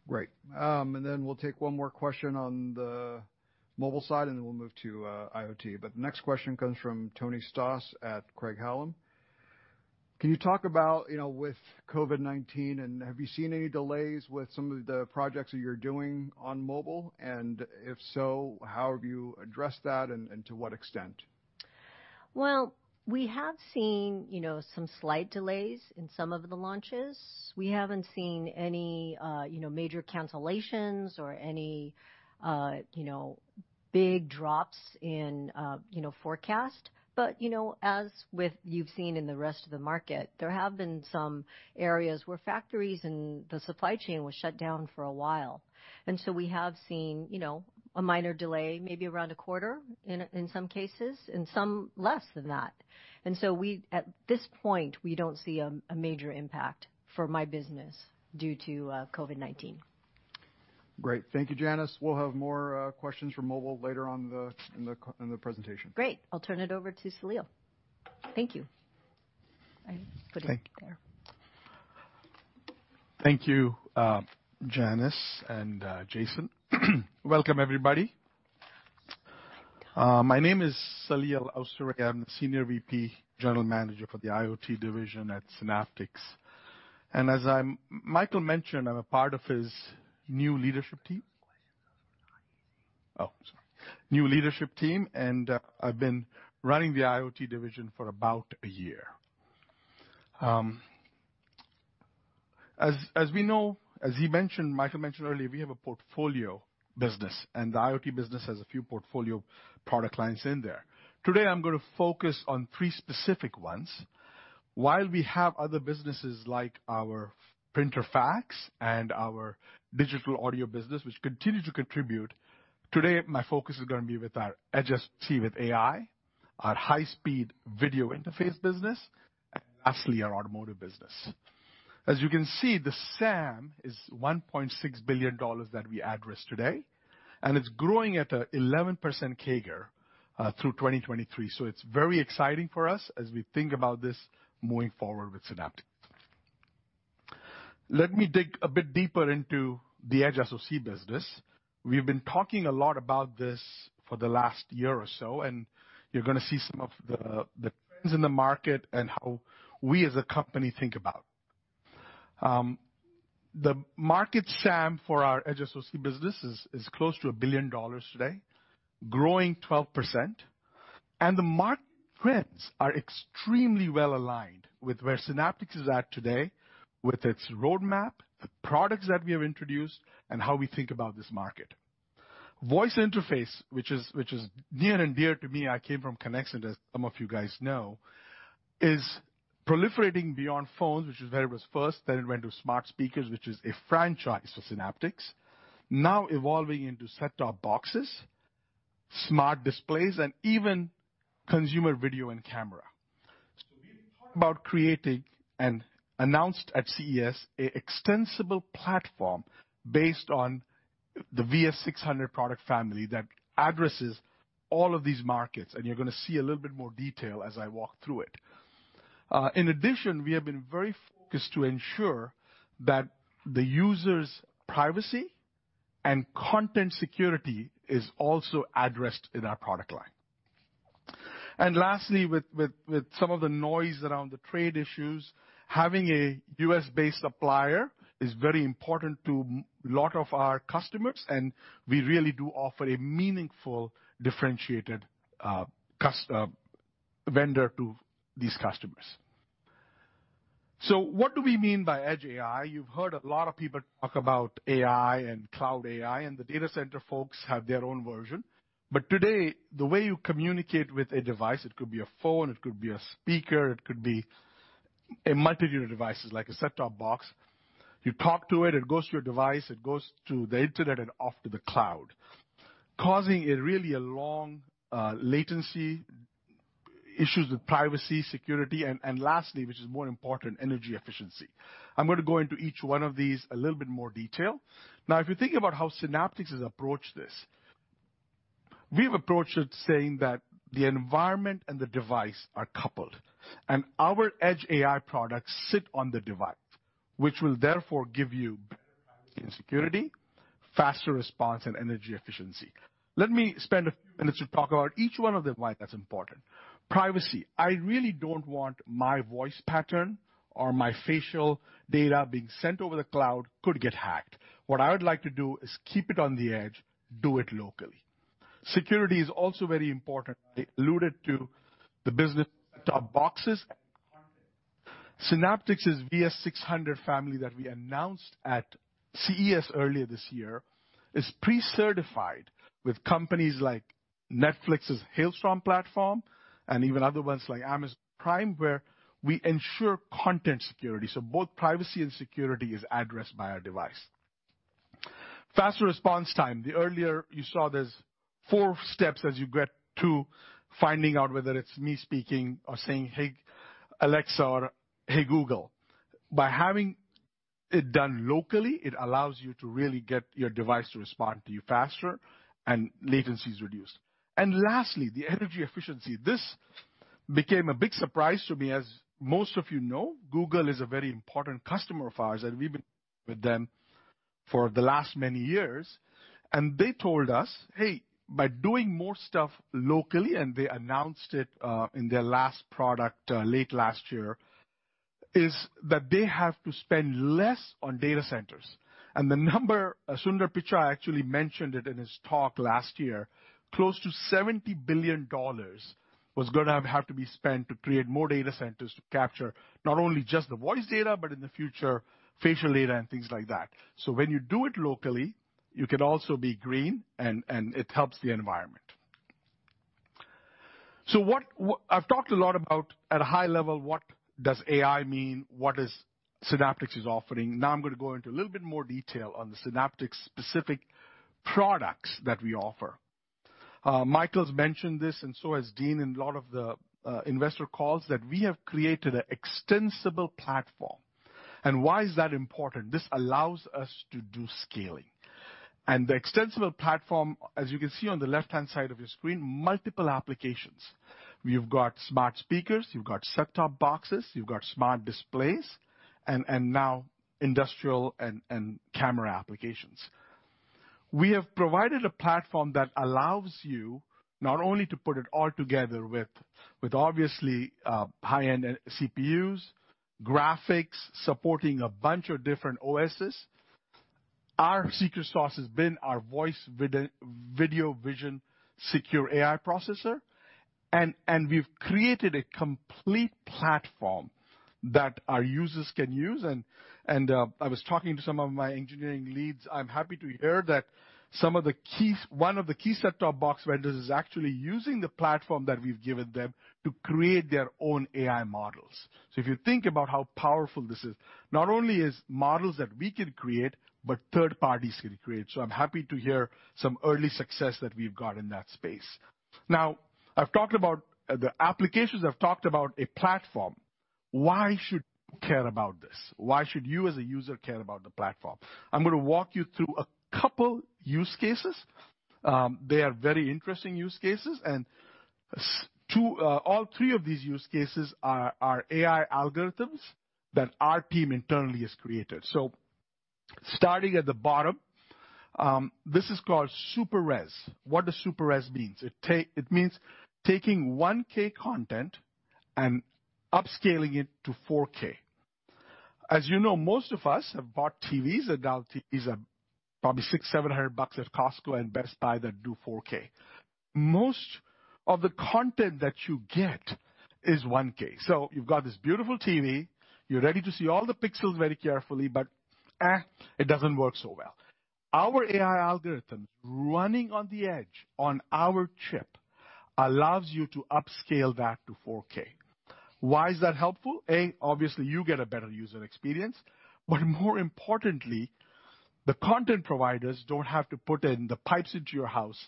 Great. We'll take one more question on the mobile side, and then we'll move to IoT. The next question comes from Tony Stoss at Craig-Hallum. Can you talk about, with COVID-19, have you seen any delays with some of the projects that you're doing on mobile? If so, how have you addressed that, and to what extent? Well, we have seen some slight delays in some of the launches. We haven't seen any major cancellations or any big drops in forecast. As you've seen in the rest of the market, there have been some areas where factories and the supply chain was shut down for a while. We have seen a minor delay, maybe around a quarter in some cases, and some less than that. At this point, we don't see a major impact for my business due to COVID-19. Great. Thank you, Janice. We'll have more questions for Mobile later on in the presentation. Great. I'll turn it over to Saleel. Thank you. I put it there. Thank you, Janice and Jason. Welcome, everybody. My name is Saleel Awsare. I'm the Senior VP, General Manager for the IoT division at Synaptics. As Michael mentioned, I'm a part of his new leadership team, and I've been running the IoT division for about a year. As we know, as Michael mentioned earlier, we have a portfolio business, the IoT business has a few portfolio product lines in there. Today, I'm going to focus on three specific ones. While we have other businesses like our printer fax and our digital audio business, which continue to contribute, today my focus is going to be with our Edge SoC with AI, our high-speed video interface business, and lastly, our automotive business. As you can see, the SAM is $1.6 billion that we address today, it's growing at an 11% CAGR through 2023. It's very exciting for us as we think about this moving forward with Synaptics. Let me dig a bit deeper into the Edge SoC business. We've been talking a lot about this for the last year or so, and you're going to see some of the trends in the market and how we as a company think about. The market SAM for our Edge SoC business is close to $1 billion today, growing 12%, and the market trends are extremely well-aligned with where Synaptics is at today, with its roadmap, the products that we have introduced, and how we think about this market. Voice interface, which is near and dear to me, I came from Conexant, as some of you guys know, is proliferating beyond phones, which is where it was first, then it went to smart speakers, which is a franchise for Synaptics, now evolving into set-top boxes, smart displays, and even consumer video and camera. We've been talking about creating and announced at CES, a extensible platform based on the VS600 product family that addresses all of these markets, and you're going to see a little bit more detail as I walk through it. In addition, we have been very focused to ensure that the user's privacy and content security is also addressed in our product line. Lastly, with some of the noise around the trade issues, having a U.S.-based supplier is very important to a lot of our customers, and we really do offer a meaningful, differentiated vendor to these customers. What do we mean by edge AI? You've heard a lot of people talk about AI and cloud AI. The data center folks have their own version. Today, the way you communicate with a device, it could be a phone, it could be a speaker, it could be a multitude of devices like a set-top box. You talk to it goes to your device, it goes to the internet and off to the cloud, causing really a long latency, issues with privacy, security, and lastly, which is more important, energy efficiency. I'm going to go into each one of these a little bit more detail. If you think about how Synaptics has approached this, we've approached it saying that the environment and the device are coupled, our edge AI products sit on the device, which will therefore give you better privacy and security, faster response, and energy efficiency. Let me spend a few minutes to talk about each one of them, why that's important. Privacy. I really don't want my voice pattern or my facial data being sent over the cloud, could get hacked. What I would like to do is keep it on the edge, do it locally. Security is also very important. I alluded to the business set-top boxes and content. Synaptics' VS600 family that we announced at CES earlier this year is pre-certified with companies like Netflix's Hailstorm platform and even other ones like Amazon Prime, where we ensure content security. Both privacy and security is addressed by our device. Faster response time. The earlier you saw there's four steps as you get to finding out whether it's me speaking or saying, "Hey, Alexa," or, "Hey, Google." By having it done locally, it allows you to really get your device to respond to you faster and latency is reduced. Lastly, the energy efficiency. This became a big surprise to me. As most of you know, Google is a very important customer of ours, and we've been with them for the last many years. They told us, "Hey, by doing more stuff locally," and they announced it in their last product late last year, is that they have to spend less on data centers. The number, Sundar Pichai actually mentioned it in his talk last year, close to $70 billion was going to have to be spent to create more data centers to capture not only just the voice data, but in the future, facial data and things like that. When you do it locally, you can also be green, and it helps the environment. I've talked a lot about, at a high level, what does AI mean, what Synaptics is offering. Now I'm going to go into a little bit more detail on the Synaptics specific products that we offer. Michael's mentioned this, and so has Dean in a lot of the investor calls, that we have created an extensible platform. Why is that important? This allows us to do scaling. The extensible platform, as you can see on the left-hand side of your screen, multiple applications. We've got smart speakers, you've got set-top boxes, you've got smart displays, and now industrial and camera applications. We have provided a platform that allows you not only to put it all together with obviously high-end CPUs, graphics supporting a bunch of different OSes. Our secret sauce has been our voice video vision secure AI processor. We've created a complete platform that our users can use. I was talking to some of my engineering leads. I'm happy to hear that one of the key set-top box vendors is actually using the platform that we've given them to create their own AI models. If you think about how powerful this is, not only is models that we can create, but third parties can create. I'm happy to hear some early success that we've got in that space. I've talked about the applications, I've talked about a platform. Why should you care about this? Why should you, as a user, care about the platform? I'm going to walk you through a couple use cases. They are very interesting use cases, and all three of these use cases are AI algorithms that our team internally has created. Starting at the bottom, this is called Super Res. What does Super Res means? It means taking 1K content and upscaling it to 4K. As you know, most of us have bought TVs that are probably $600, $700 at Costco and Best Buy that do 4K. Most of the content that you get is 1K. You've got this beautiful TV, you're ready to see all the pixels very carefully, but it doesn't work so well. Our AI algorithms running on the edge on our chip allows you to upscale that to 4K. Why is that helpful? A, obviously, you get a better user experience. More importantly, the content providers don't have to put in the pipes into your house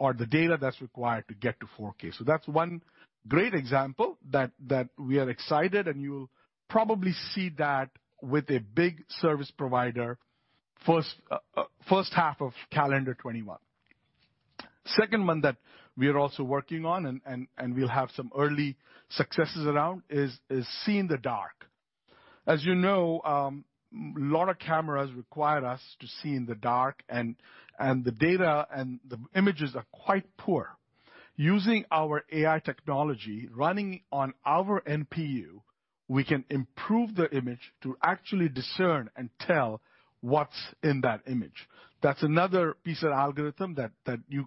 or the data that's required to get to 4K. That's one great example that we are excited, and you'll probably see that with a big service provider first half of calendar 2021. Second one that we are also working on and we'll have some early successes around is, see in the dark. As you know, lot of cameras require us to see in the dark and the data and the images are quite poor. Using our AI technology running on our NPU, we can improve the image to actually discern and tell what's in that image. That's another piece of algorithm that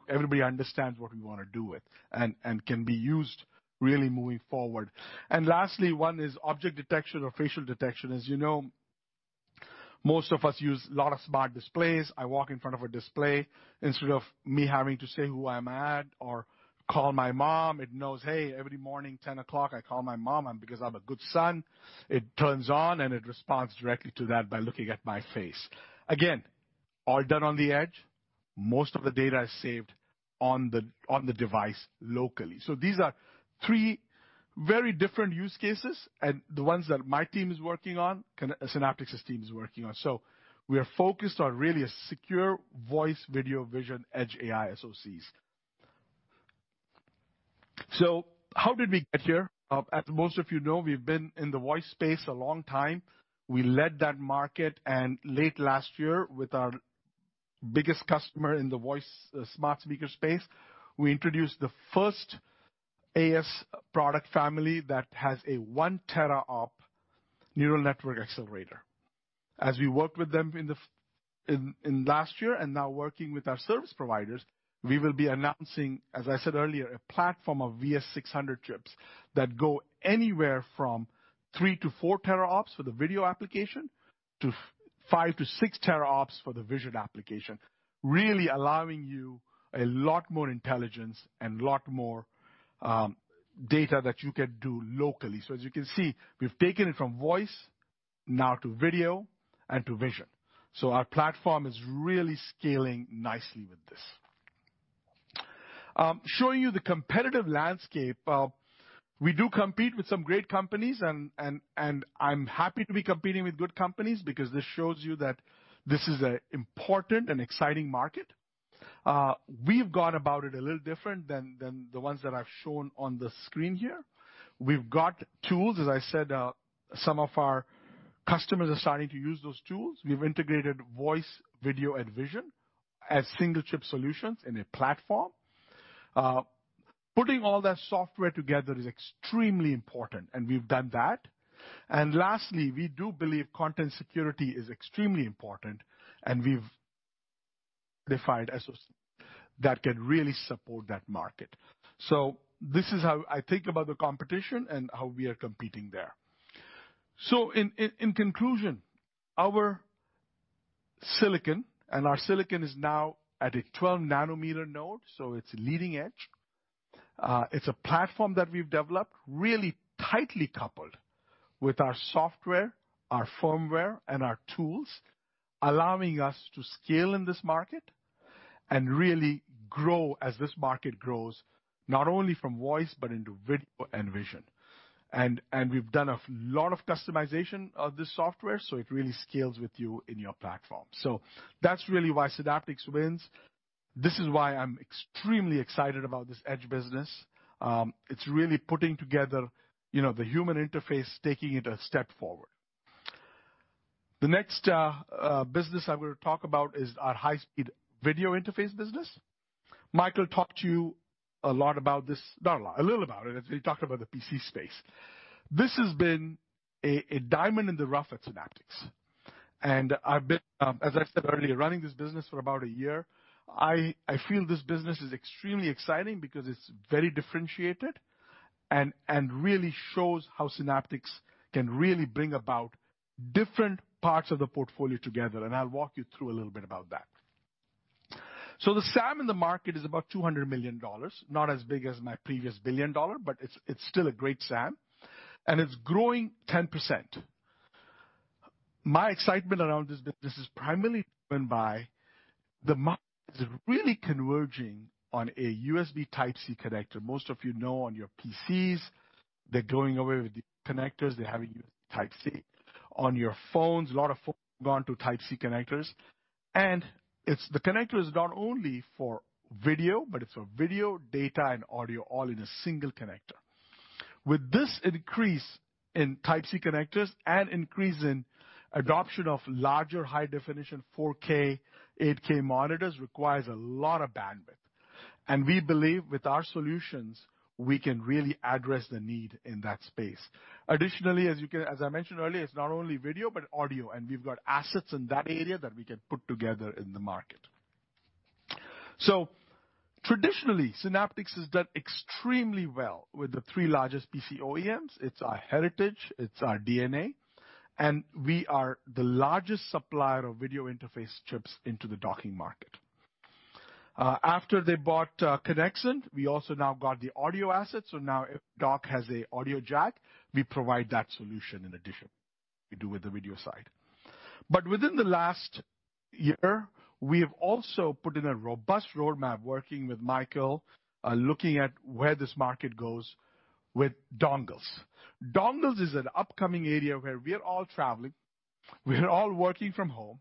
everybody understands what we want to do with and can be used really moving forward. Lastly, one is object detection or facial detection. As you know, most of us use lot of smart displays. I walk in front of a display. Instead of me having to say who I'm at or call my mom, it knows, hey, every morning, 10 o'clock, I call my mom because I'm a good son. It turns on, it responds directly to that by looking at my face. Again, all done on the edge. Most of the data is saved on the device locally. These are three very different use cases, and the ones that my team is working on, Synaptics' team is working on. We are focused on really a secure voice video vision edge AI SoCs. How did we get here? As most of you know, we've been in the voice space a long time. Late last year, with our biggest customer in the voice smart speaker space, we introduced the first AS product family that has a one tera ops neural network accelerator. As we worked with them in last year and now working with our service providers, we will be announcing, as I said earlier, a platform of VS600 chips that go anywhere from three to four tera ops for the video application to five to six tera ops for the vision application, really allowing you a lot more intelligence and lot more data that you can do locally. As you can see, we've taken it from voice now to video and to vision. Our platform is really scaling nicely with this. Showing you the competitive landscape. We do compete with some great companies and I'm happy to be competing with good companies because this shows you that this is an important and exciting market. We've gone about it a little different than the ones that I've shown on the screen here. We've got tools, as I said, some of our customers are starting to use those tools. We've integrated voice, video, and vision as single chip solutions in a platform. Putting all that software together is extremely important, and we've done that. Lastly, we do believe content security is extremely important, and we've defined SoCs that can really support that market. This is how I think about the competition and how we are competing there. In conclusion, our silicon, and our silicon is now at a 12 nanometer node, so it's leading edge. It's a platform that we've developed really tightly coupled with our software, our firmware, and our tools, allowing us to scale in this market and really grow as this market grows, not only from voice but into video and vision. We've done a lot of customization of this software, so it really scales with you in your platform. That's really why Synaptics wins. This is why I'm extremely excited about this edge business. It's really putting together the human interface, taking it a step forward. The next business I'm going to talk about is our high-speed video interface business. Michael talked to you a lot about this, not a lot, a little about it, as we talked about the PC space. This has been a diamond in the rough at Synaptics. I've been, as I said earlier, running this business for about a year. I feel this business is extremely exciting because it's very differentiated and really shows how Synaptics can really bring about different parts of the portfolio together, and I'll walk you through a little bit about that. The SAM in the market is about $200 million. Not as big as my previous billion-dollar, but it's still a great SAM, and it's growing 10%. My excitement around this business is primarily driven by the market is really converging on a USB Type-C connector. Most of you know, on your PCs, they're going away with these connectors, they're having Type-C. On your phones, a lot of phones have gone to Type-C connectors. The connector is not only for video, but it's for video, data, and audio, all in a single connector. With this increase in Type-C connectors and increase in adoption of larger high definition 4K, 8K monitors requires a lot of bandwidth. We believe with our solutions, we can really address the need in that space. Additionally, as I mentioned earlier, it's not only video, but audio, and we've got assets in that area that we can put together in the market. Traditionally, Synaptics has done extremely well with the three largest PC OEMs. It's our heritage, it's our DNA, and we are the largest supplier of video interface chips into the docking market. After they bought Conexant, we also now got the audio assets. Now dock has a audio jack, we provide that solution in addition. We do with the video side. Within the last year, we have also put in a robust roadmap working with Michael, looking at where this market goes with dongles. Dongles is an upcoming area where we are all traveling, we are all working from home.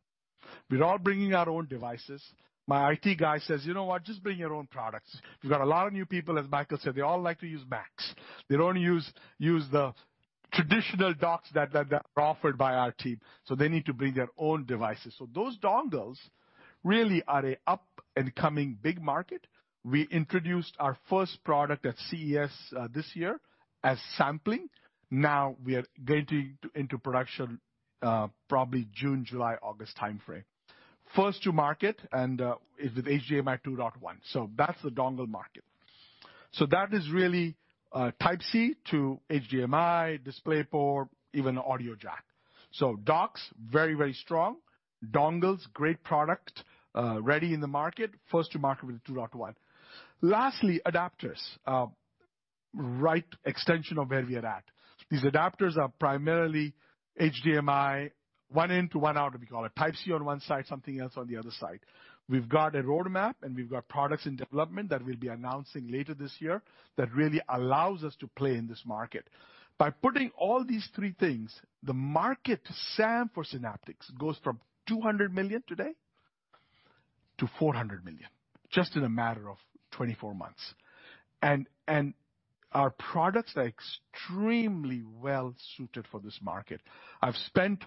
We're all bringing our own devices. My IT guy says, "You know what? Just bring your own products." We've got a lot of new people, as Michael said, they all like to use Macs. They don't use the traditional docks that are offered by our team, so they need to bring their own devices. Those dongles really are an up and coming big market. We introduced our first product at CES this year as sampling. Now we are getting into production probably June, July, August timeframe. First to market and with HDMI 2.1. That's the dongle market. That is really Type-C to HDMI, DisplayPort, even audio jack. Docks, very, very strong. Dongles, great product, ready in the market. First to market with 2.1. Lastly, adapters. Right extension of where we are at. These adapters are primarily HDMI, one in to one out, we call it. Type-C on one side, something else on the other side. We've got a roadmap, we've got products in development that we'll be announcing later this year that really allows us to play in this market. By putting all these three things, the market SAM for Synaptics goes from $200 million today to $400 million, just in a matter of 24 months. Our products are extremely well suited for this market. I've spent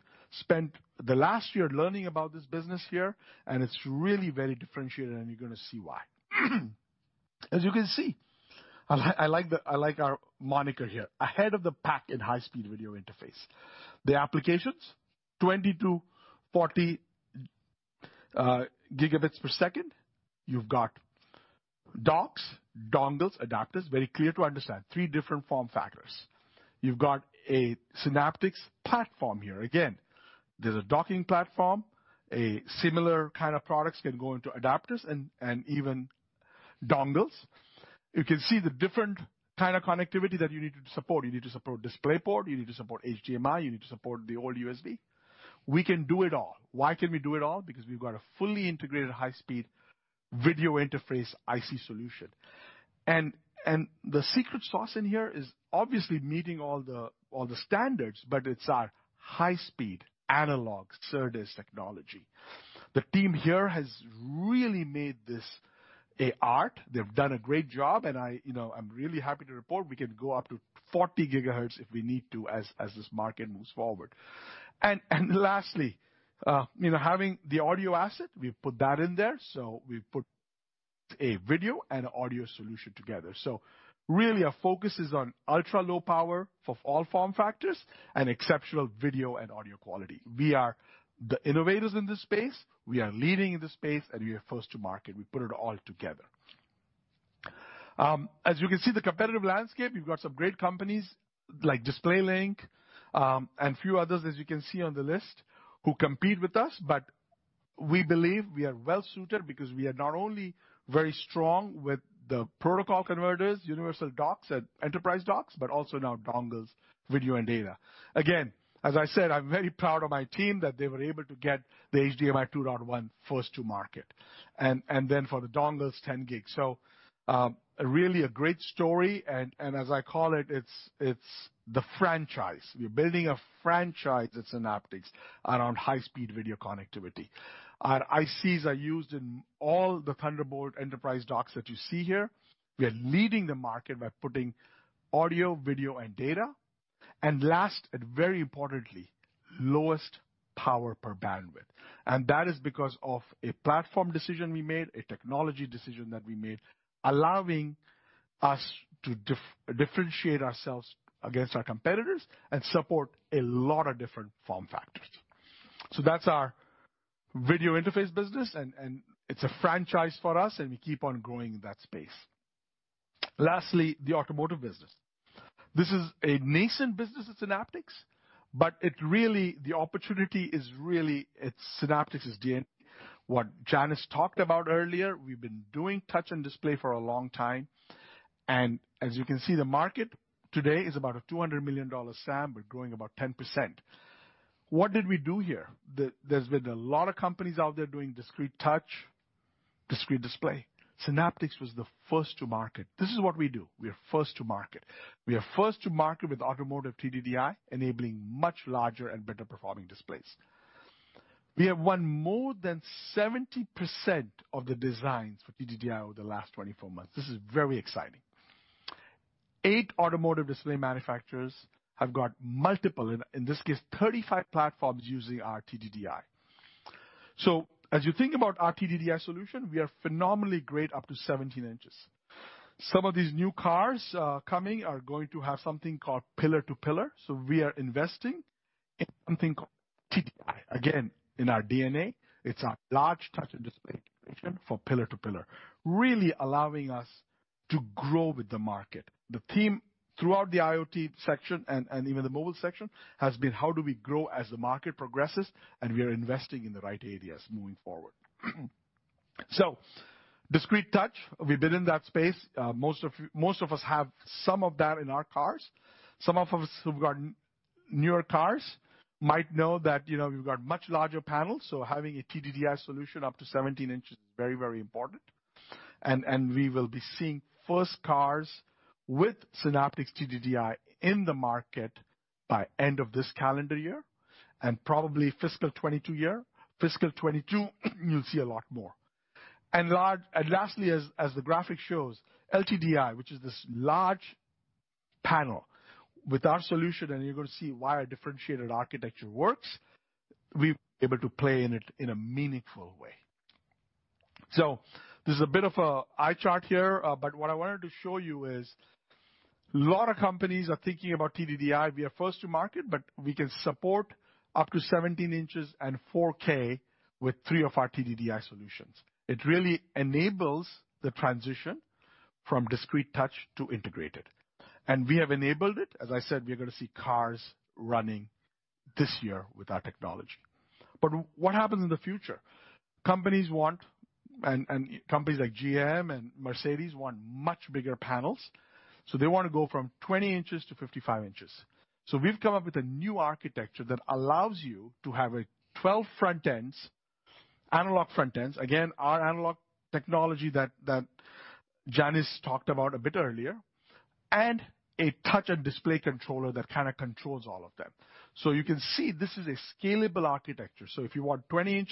the last year learning about this business here, and it's really very differentiated, and you're gonna see why. As you can see, I like our moniker here. Ahead of the pack in high-speed video interface. The applications, 20-40 Gbps. You've got docks, dongles, adapters, very clear to understand. three different form factors. You've got a Synaptics platform here. There's a docking platform, a similar kind of products can go into adapters and even dongles. You can see the different kind of connectivity that you need to support. You need to support DisplayPort, you need to support HDMI, you need to support the old USB. We can do it all. Why can we do it all? We've got a fully integrated high-speed video interface IC solution. The secret sauce in here is obviously meeting all the standards, but it's our high-speed analog SerDes technology. The team here has really made this an art. They've done a great job, I'm really happy to report we can go up to 40 GHz if we need to as this market moves forward. Lastly, having the audio asset, we put that in there. We put a video and audio solution together. Really, our focus is on ultra-low power for all form factors and exceptional video and audio quality. We are the innovators in this space, we are leading in this space, and we are first to market. We put it all together. As you can see, the competitive landscape, you've got some great companies like DisplayLink, and few others, as you can see on the list, who compete with us, but we believe we are well suited because we are not only very strong with the protocol converters, universal docks, and enterprise docks, but also now dongles, video, and data. Again, as I said, I'm very proud of my team that they were able to get the HDMI 2.1 first to market. Then for the dongles, 10 gig. Really a great story, and as I call it's the franchise. We're building a franchise at Synaptics around high-speed video connectivity. Our ICs are used in all the Thunderbolt enterprise docks that you see here. We are leading the market by putting audio, video, and data, and last, and very importantly, lowest power per bandwidth. That is because of a platform decision we made, a technology decision that we made, allowing us to differentiate ourselves against our competitors and support a lot of different form factors. That's our video interface business and it's a franchise for us, and we keep on growing that space. Lastly, the automotive business. This is a nascent business at Synaptics, but the opportunity is really, it's Synaptics' DNA. What Janice talked about earlier, we've been doing touch and display for a long time, and as you can see, the market today is about a $200 million SAM. We're growing about 10%. What did we do here? There's been a lot of companies out there doing discrete touch, discrete display. Synaptics was the first to market. This is what we do. We are first to market. We are first to market with automotive TDDI, enabling much larger and better performing displays. We have won more than 70% of the designs for TDDI over the last 24 months. This is very exciting. Eight automotive display manufacturers have got multiple, in this case, 35 platforms using our TDDI. As you think about our TDDI solution, we are phenomenally great up to 17 in. Some of these new cars coming are going to have something called pillar-to-pillar, we are investing in something called TDDI. Again, in our DNA, it's our large touch and display solution for pillar-to-pillar, really allowing us to grow with the market. The theme throughout the IoT section and even the mobile section has been how do we grow as the market progresses. We are investing in the right areas moving forward. Discrete touch, we've been in that space. Most of us have some of that in our cars. Some of us who've gotten newer cars might know that we've got much larger panels. Having a TDDI solution up to 17 in is very important. We will be seeing first cars with Synaptics TDDI in the market by end of this calendar year and probably fiscal 2022 year. Fiscal 2022, you'll see a lot more. Lastly, as the graphic shows, LTDI, which is this large panel. With our solution, and you're going to see why our differentiated architecture works, we're able to play in it in a meaningful way. This is a bit of an eye chart here, but what I wanted to show you is a lot of companies are thinking about TDDI. We are first to market, but we can support up to 17 in and 4K with three of our TDDI solutions. It really enables the transition from discrete touch to integrated, and we have enabled it. As I said, we are going to see cars running this year with our technology. What happens in the future? Companies like GM and Mercedes want much bigger panels, so they want to go from 20-55 in. We've come up with a new architecture that allows you to have 12 front ends, analog front ends, again, our analog technology that Janice talked about a bit earlier, and a touch and display controller that kind of controls all of them. You can see this is a scalable architecture. If you want 20 in,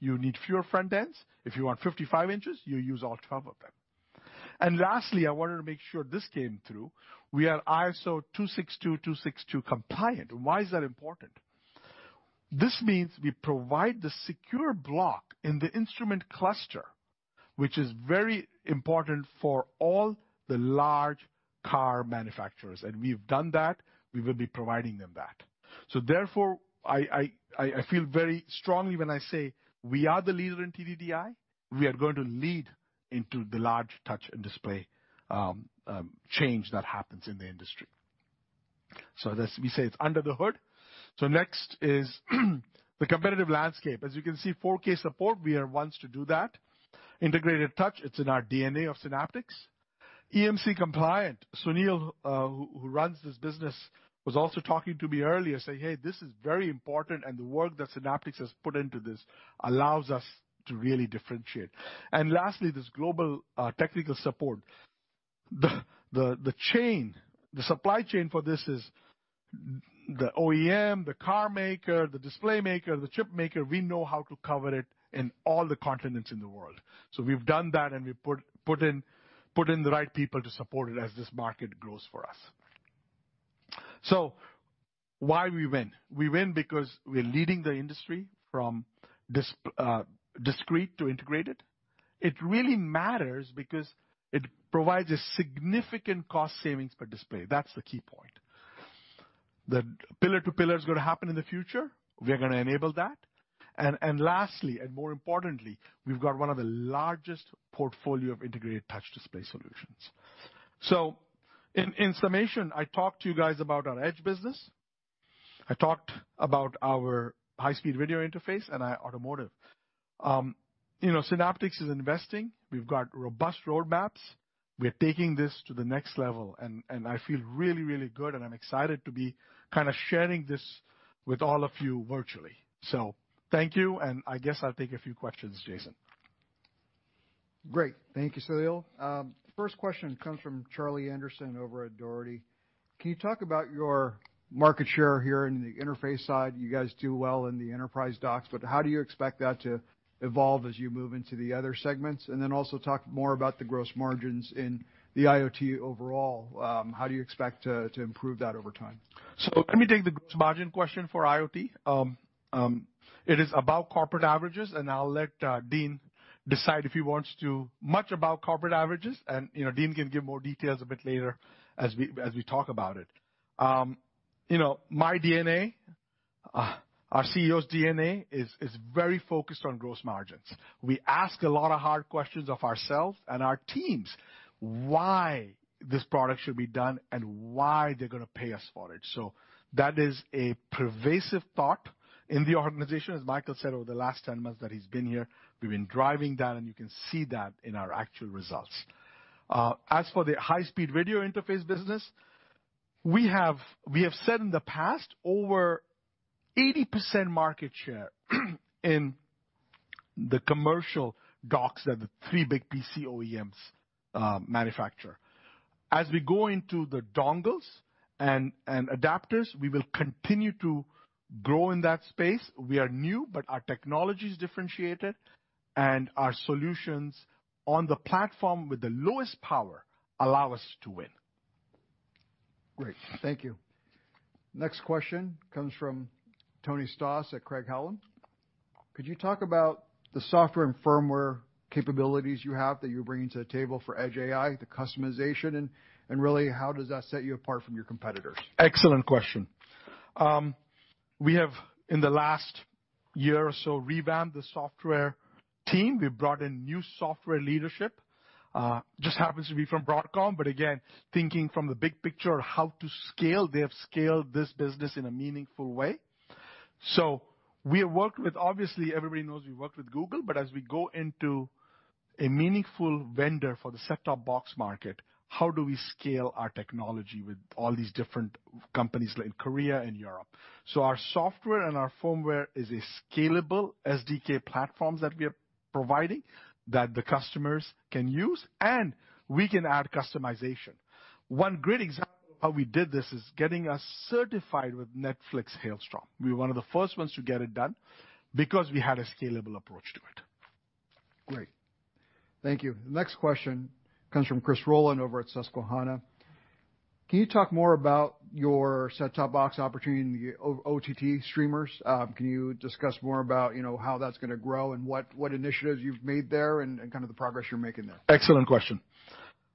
you need fewer front ends. If you want 55 in, you use all 12 of them. Lastly, I wanted to make sure this came through. We are ISO 26262 compliant. Why is that important? This means we provide the secure block in the instrument cluster, which is very important for all the large car manufacturers. We've done that. We will be providing them that. Therefore, I feel very strongly when I say we are the leader in TDDI. We are going to lead into the large touch and display change that happens in the industry. As we say, it's under the hood. Next is the competitive landscape. As you can see, 4K support, we are ones to do that. Integrated touch, it's in our DNA of Synaptics. EMC compliant. Sunil, who runs this business, was also talking to me earlier, saying, "Hey, this is very important, and the work that Synaptics has put into this allows us to really differentiate." Lastly, this global technical support. The supply chain for this is the OEM, the car maker, the display maker, the chip maker. We know how to cover it in all the continents in the world. We've done that, and we've put in the right people to support it as this market grows for us. Why we win. We win because we're leading the industry from discrete to integrated. It really matters because it provides a significant cost savings per display. That's the key point. The pillar-to-pillar is going to happen in the future. We are going to enable that. Lastly, and more importantly, we've got one of the largest portfolio of integrated touch display solutions. In summation, I talked to you guys about our edge business. I talked about our high-speed video interface and our automotive. Synaptics is investing. We've got robust roadmaps. We're taking this to the next level, and I feel really good, and I'm excited to be kind of sharing this with all of you virtually. Thank you, and I guess I'll take a few questions, Jason. Great. Thank you, Saleel. First question comes from Charlie Anderson over at Dougherty. Can you talk about your market share here in the interface side? You guys do well in the enterprise docks. How do you expect that to evolve as you move into the other segments? Also talk more about the gross margins in the IoT overall. How do you expect to improve that over time? Let me take the gross margin question for IoT. It is about corporate averages, and I'll let Dean decide if he wants to much about corporate averages and, Dean can give more details a bit later as we talk about it. My DNA, our CEO's DNA is very focused on gross margins. We ask a lot of hard questions of ourselves and our teams, why this product should be done and why they're going to pay us for it. That is a pervasive thought in the organization. As Michael said, over the last 10 months that he's been here, we've been driving that, and you can see that in our actual results. As for the high-speed video interface business, we have said in the past, over 80% market share in the commercial docks that the three big PC OEMs manufacture. As we go into the dongles and adapters, we will continue to grow in that space. We are new, but our technology is differentiated, and our solutions on the platform with the lowest power allow us to win. Great, thank you. Next question comes from Tony Stoss at Craig-Hallum. Could you talk about the software and firmware capabilities you have that you're bringing to the table for edge AI, the customization, and really how does that set you apart from your competitors? Excellent question. We have, in the last year or so, revamped the software team. We've brought in new software leadership. Just happens to be from Broadcom, again, thinking from the big picture of how to scale, they have scaled this business in a meaningful way. We have worked with, obviously, everybody knows we've worked with Google, as we go into a meaningful vendor for the set-top box market, how do we scale our technology with all these different companies like Korea and Europe? Our software and our firmware is a scalable SDK platform that we are providing that the customers can use, and we can add customization. One great example of how we did this is getting us certified with Netflix Hailstorm. We're one of the first ones to get it done because we had a scalable approach to it. Great. Thank you. The next question comes from Chris Rolland over at Susquehanna. Can you talk more about your set-top box opportunity and the OTT streamers? Can you discuss more about how that's going to grow and what initiatives you've made there and the progress you're making there? Excellent question.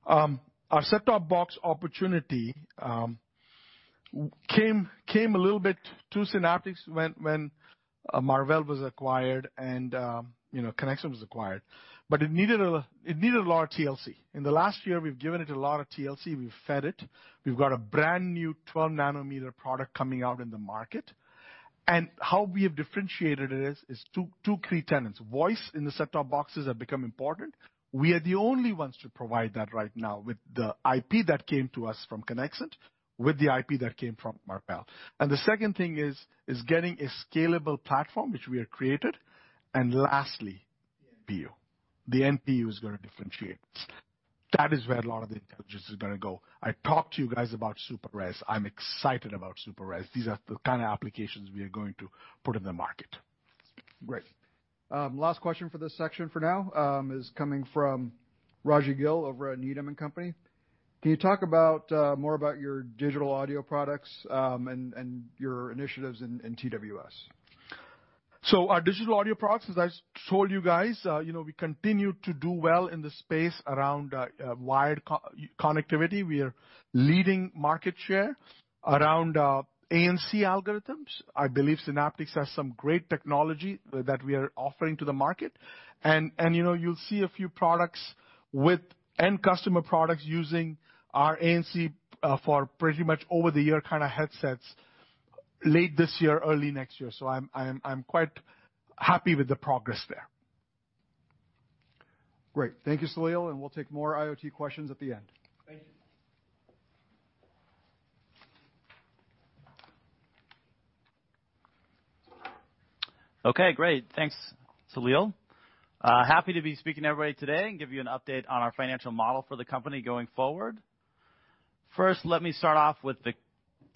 Our set-top box opportunity came a little bit to Synaptics when Marvell was acquired and Conexant was acquired, but it needed a lot of TLC. In the last year, we've given it a lot of TLC. We've fed it. We've got a brand-new 12-nanometer product coming out in the market. How we have differentiated it is two key tenets. Voice in the set-top boxes have become important. We are the only ones to provide that right now with the IP that came to us from Conexant, with the IP that came from Marvell. The second thing is getting a scalable platform, which we have created. Lastly, NPU. The NPU is going to differentiate. That is where a lot of the intelligence is going to go. I talked to you guys about Super Res. I'm excited about Super Res. These are the kind of applications we are going to put in the market. Great. Last question for this section for now is coming from Raji Gill over at Needham & Company. Can you talk more about your digital audio products and your initiatives in TWS? Our digital audio products, as I told you guys, we continue to do well in the space around wired connectivity. We are leading market share around ANC algorithms. I believe Synaptics has some great technology that we are offering to the market. You'll see a few products with end customer products using our ANC for pretty much over-the-ear kind of headsets late this year, early next year. I'm quite happy with the progress there. Great. Thank you, Saleel, and we'll take more IoT questions at the end. Thank you. Okay, great. Thanks, Saleel. Happy to be speaking to everybody today and give you an update on our financial model for the company going forward. First, let me start off with the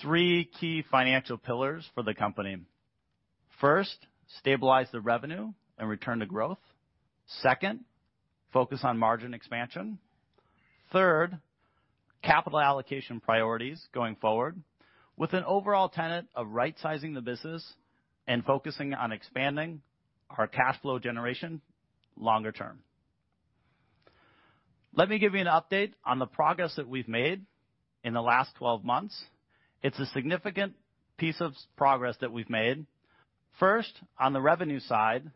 three key financial pillars for the company. First, stabilize the revenue and return to growth. Second, focus on margin expansion. Third, capital allocation priorities going forward with an overall tenet of right-sizing the business and focusing on expanding our cash flow generation longer term. Let me give you an update on the progress that we've made in the last 12 months. It's a significant piece of progress that we've made. First, on the revenue side.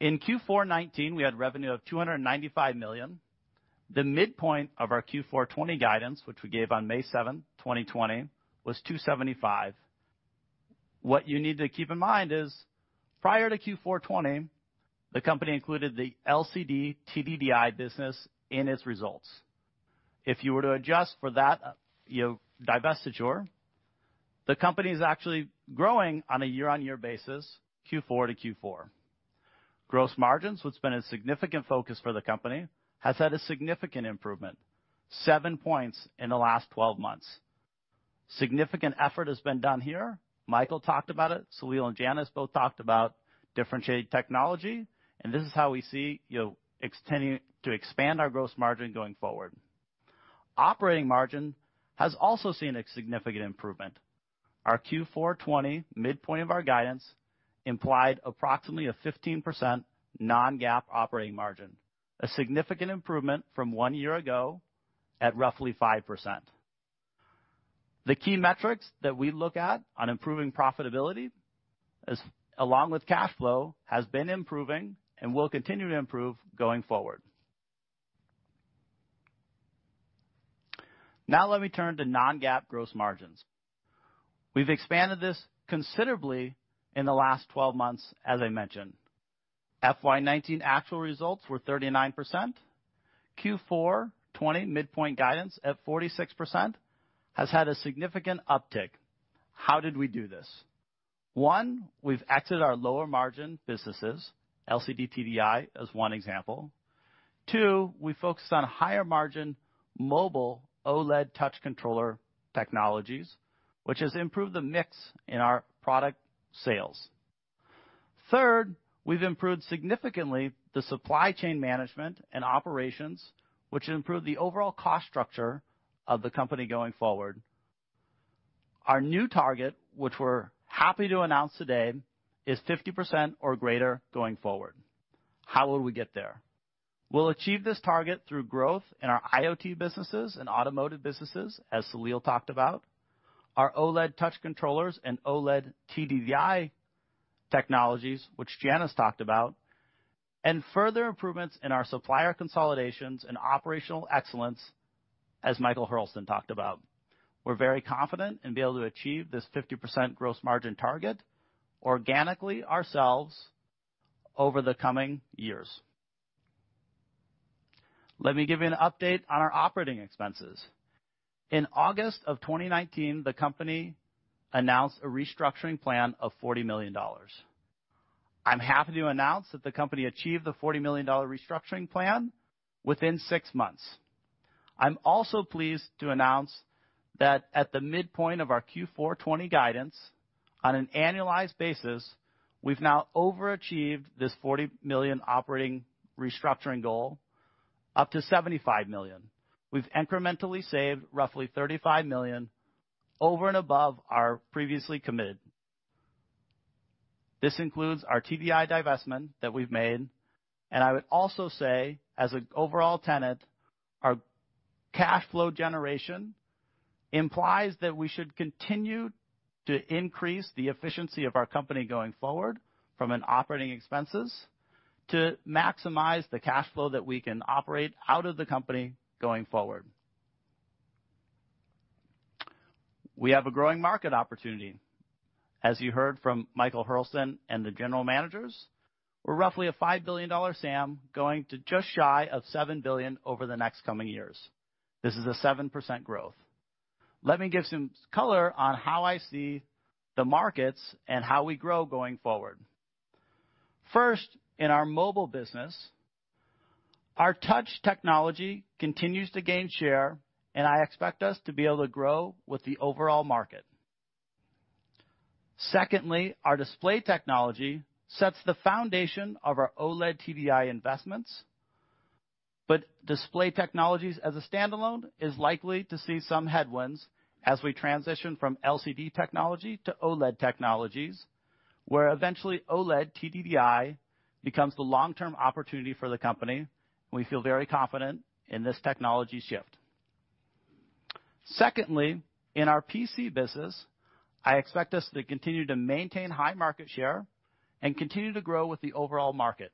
In Q4 2019, we had revenue of $295 million. The midpoint of our Q4 2020 guidance, which we gave on May 7th, 2020, was $275 million. What you need to keep in mind is, prior to Q4 2020, the company included the LCD TDDI business in its results. If you were to adjust for that divestiture. The company is actually growing on a year-over-year basis, Q4 to Q4. Gross margins, what's been a significant focus for the company, has had a significant improvement, 7 points in the last 12 months. Significant effort has been done here. Michael talked about it. Saleel and Janice both talked about differentiated technology, and this is how we see extending to expand our gross margin going forward. Operating margin has also seen a significant improvement. Our Q4 2020 midpoint of our guidance implied approximately a 15% non-GAAP operating margin, a significant improvement from one year ago at roughly 5%. The key metrics that we look at on improving profitability, along with cash flow, has been improving and will continue to improve going forward. Let me turn to non-GAAP gross margins. We've expanded this considerably in the last 12 months, as I mentioned. FY 2019 actual results were 39%. Q4 2020 midpoint guidance at 46% has had a significant uptick. How did we do this? One, we've exited our lower margin businesses, LCD TDDI as one example. Two, we focused on higher margin mobile OLED touch controller technologies, which has improved the mix in our product sales. Third, we've improved significantly the supply chain management and operations, which improved the overall cost structure of the company going forward. Our new target, which we're happy to announce today, is 50% or greater going forward. How will we get there? We'll achieve this target through growth in our IoT businesses and automotive businesses, as Saleel talked about, our OLED touch controllers and OLED TDDI technologies, which Janice talked about, and further improvements in our supplier consolidations and operational excellence, as Michael Hurlston talked about. We're very confident in being able to achieve this 50% gross margin target organically ourselves over the coming years. Let me give you an update on our operating expenses. In August of 2019, the company announced a restructuring plan of $40 million. I'm happy to announce that the company achieved the $40 million restructuring plan within six months. I'm also pleased to announce that at the midpoint of our Q4 2020 guidance, on an annualized basis, we've now overachieved this $40 million operating restructuring goal up to $75 million. We've incrementally saved roughly $35 million over and above our previously committed. This includes our TDDI divestment that we've made, and I would also say, as an overall tenet, our cash flow generation implies that we should continue to increase the efficiency of our company going forward from an operating expenses to maximize the cash flow that we can operate out of the company going forward. We have a growing market opportunity. As you heard from Michael Hurlston and the general managers, we're roughly a $5 billion SAM going to just shy of $7 billion over the next coming years. This is a 7% growth. Let me give some color on how I see the markets and how we grow going forward. First, in our mobile business, our touch technology continues to gain share, and I expect us to be able to grow with the overall market. Secondly, our display technology sets the foundation of our OLED TDDI investments. Display technologies as a standalone is likely to see some headwinds as we transition from LCD technology to OLED technologies, where eventually OLED TDDI becomes the long-term opportunity for the company. We feel very confident in this technology shift. Secondly, in our PC business, I expect us to continue to maintain high market share and continue to grow with the overall market.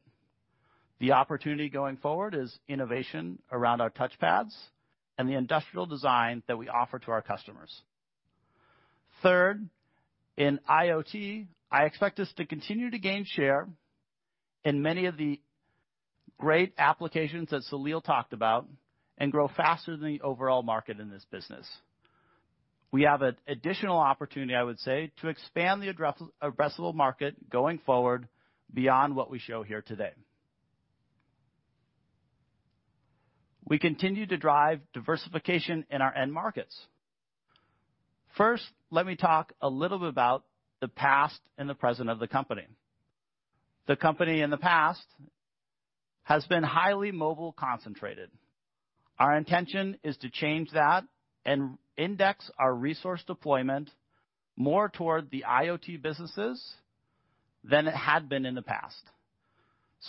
The opportunity going forward is innovation around our touchpads and the industrial design that we offer to our customers. Third, in IoT, I expect us to continue to gain share in many of the great applications that Saleel talked about and grow faster than the overall market in this business. We have an additional opportunity, I would say, to expand the addressable market going forward beyond what we show here today. We continue to drive diversification in our end markets. First, let me talk a little bit about the past and the present of the company. The company in the past has been highly mobile concentrated. Our intention is to change that and index our resource deployment more toward the IoT businesses than it had been in the past.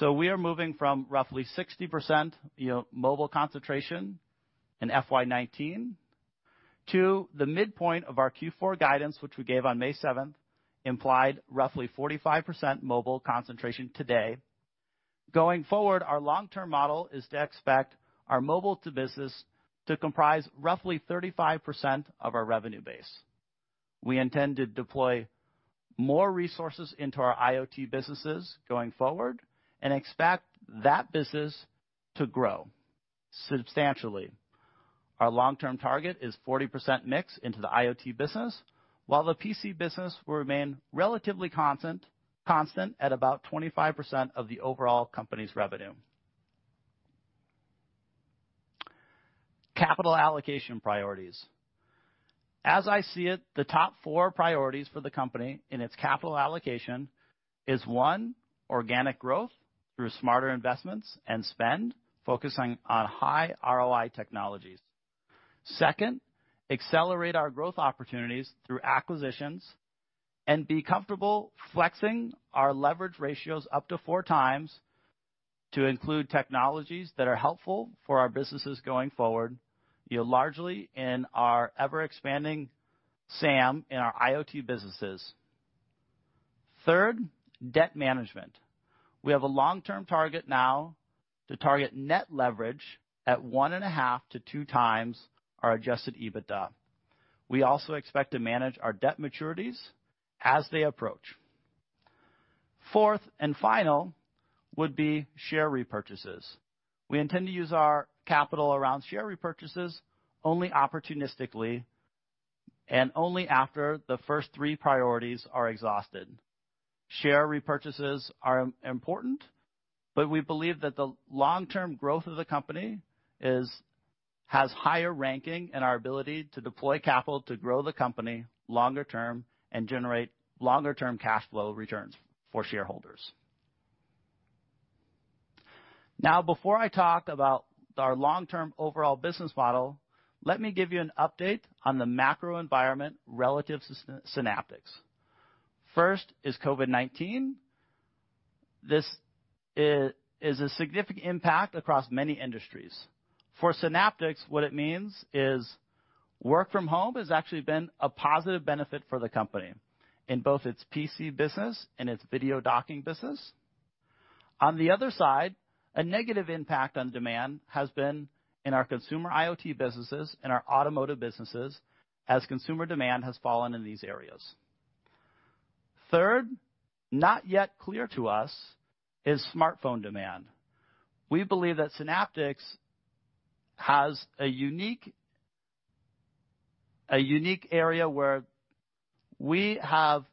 We are moving from roughly 60% mobile concentration in FY 2019 to the midpoint of our Q4 guidance, which we gave on May 7th, implied roughly 45% mobile concentration today. Going forward, our long-term model is to expect our mobile to business to comprise roughly 35% of our revenue base. We intend to deploy more resources into our IoT businesses going forward and expect that business to grow substantially. Our long-term target is 40% mix into the IoT business, while the PC business will remain relatively constant at about 25% of the overall company's revenue. Capital allocation priorities. As I see it, the top four priorities for the company in its capital allocation is, one, organic growth through smarter investments and spend, focusing on high ROI technologies. Second, accelerate our growth opportunities through acquisitions and be comfortable flexing our leverage ratios up to 4x to include technologies that are helpful for our businesses going forward, largely in our ever-expanding SAM in our IoT businesses. Third, debt management. We have a long-term target now to target net leverage at 1.5-2x our adjusted EBITDA. We also expect to manage our debt maturities as they approach. Fourth and final would be share repurchases. We intend to use our capital around share repurchases only opportunistically and only after the first three priorities are exhausted. Share repurchases are important, but we believe that the long-term growth of the company has higher ranking in our ability to deploy capital to grow the company longer term and generate longer-term cash flow returns for shareholders. Now, before I talk about our long-term overall business model, let me give you an update on the macro environment relative to Synaptics. First is COVID-19. This is a significant impact across many industries. For Synaptics, what it means is work from home has actually been a positive benefit for the company in both its PC business and its video docking business. On the other side, a negative impact on demand has been in our consumer IoT businesses and our automotive businesses, as consumer demand has fallen in these areas. Third, not yet clear to us is smartphone demand. We believe that Synaptics has a unique area where we have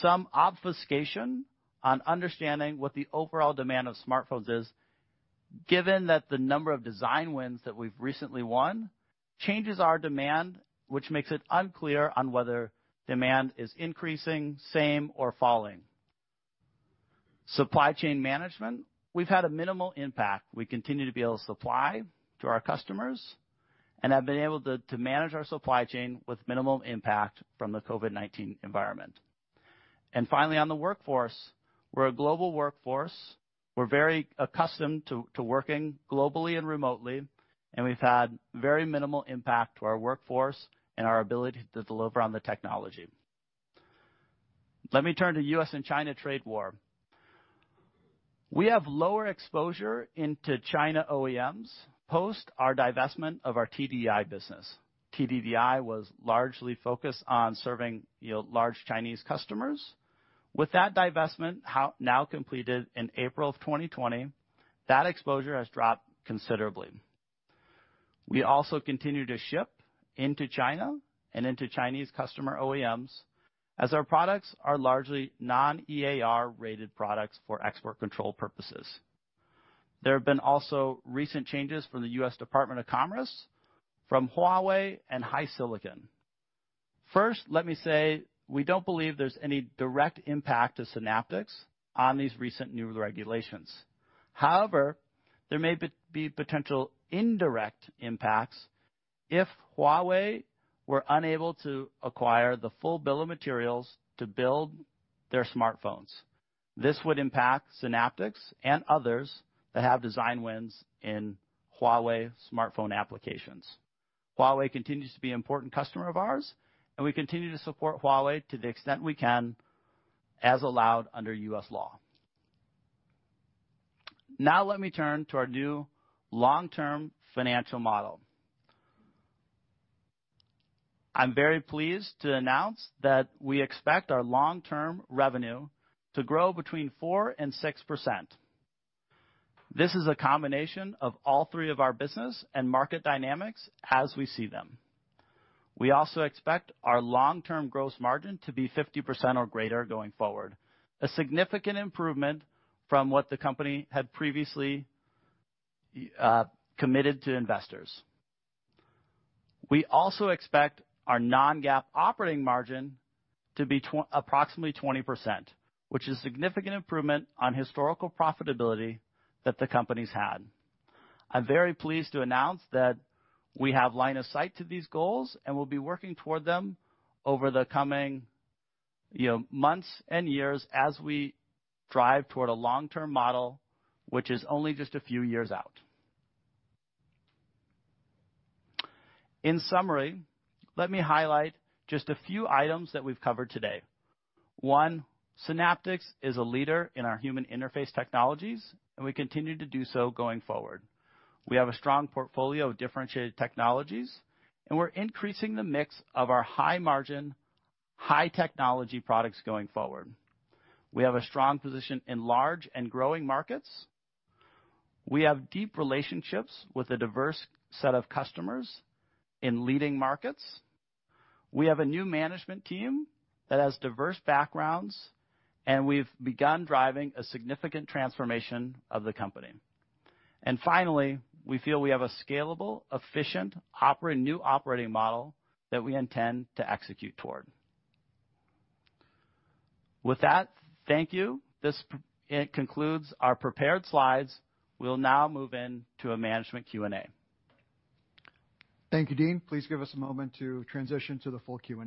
some obfuscation on understanding what the overall demand of smartphones is, given that the number of design wins that we've recently won changes our demand, which makes it unclear on whether demand is increasing, same, or falling. Supply chain management, we've had a minimal impact. We continue to be able to supply to our customers and have been able to manage our supply chain with minimal impact from the COVID-19 environment. Finally, on the workforce, we're a global workforce. We're very accustomed to working globally and remotely, and we've had very minimal impact to our workforce and our ability to deliver on the technology. Let me turn to U.S. and China trade war. We have lower exposure into China OEMs post our divestment of our TDDI business. TDDI was largely focused on serving large Chinese customers. With that divestment now completed in April of 2020, that exposure has dropped considerably. We also continue to ship into China and into Chinese customer OEMs, as our products are largely non-EAR-rated products for export control purposes. There have been also recent changes from the U.S. Department of Commerce, from Huawei and HiSilicon. Let me say we don't believe there's any direct impact to Synaptics on these recent new regulations. There may be potential indirect impacts if Huawei were unable to acquire the full bill of materials to build their smartphones. This would impact Synaptics and others that have design wins in Huawei smartphone applications. Huawei continues to be an important customer of ours, and we continue to support Huawei to the extent we can, as allowed under U.S. law. Let me turn to our new long-term financial model. I'm very pleased to announce that we expect our long-term revenue to grow between 4% and 6%. This is a combination of all three of our business and market dynamics as we see them. We also expect our long-term gross margin to be 50% or greater going forward, a significant improvement from what the company had previously committed to investors. We also expect our non-GAAP operating margin to be approximately 20%, which is a significant improvement on historical profitability that the company's had. I'm very pleased to announce that we have line of sight to these goals, and we'll be working toward them over the coming months and years as we drive toward a long-term model, which is only just a few years out. In summary, let me highlight just a few items that we've covered today. One, Synaptics is a leader in our human interface technologies, and we continue to do so going forward. We have a strong portfolio of differentiated technologies, and we're increasing the mix of our high-margin, high-technology products going forward. We have a strong position in large and growing markets. We have deep relationships with a diverse set of customers in leading markets. We have a new management team that has diverse backgrounds, and we've begun driving a significant transformation of the company. Finally, we feel we have a scalable, efficient new operating model that we intend to execute toward. With that, thank you. This concludes our prepared slides. We'll now move into a management Q&A. Thank you, Dean. Please give us a moment to transition to the full Q&A.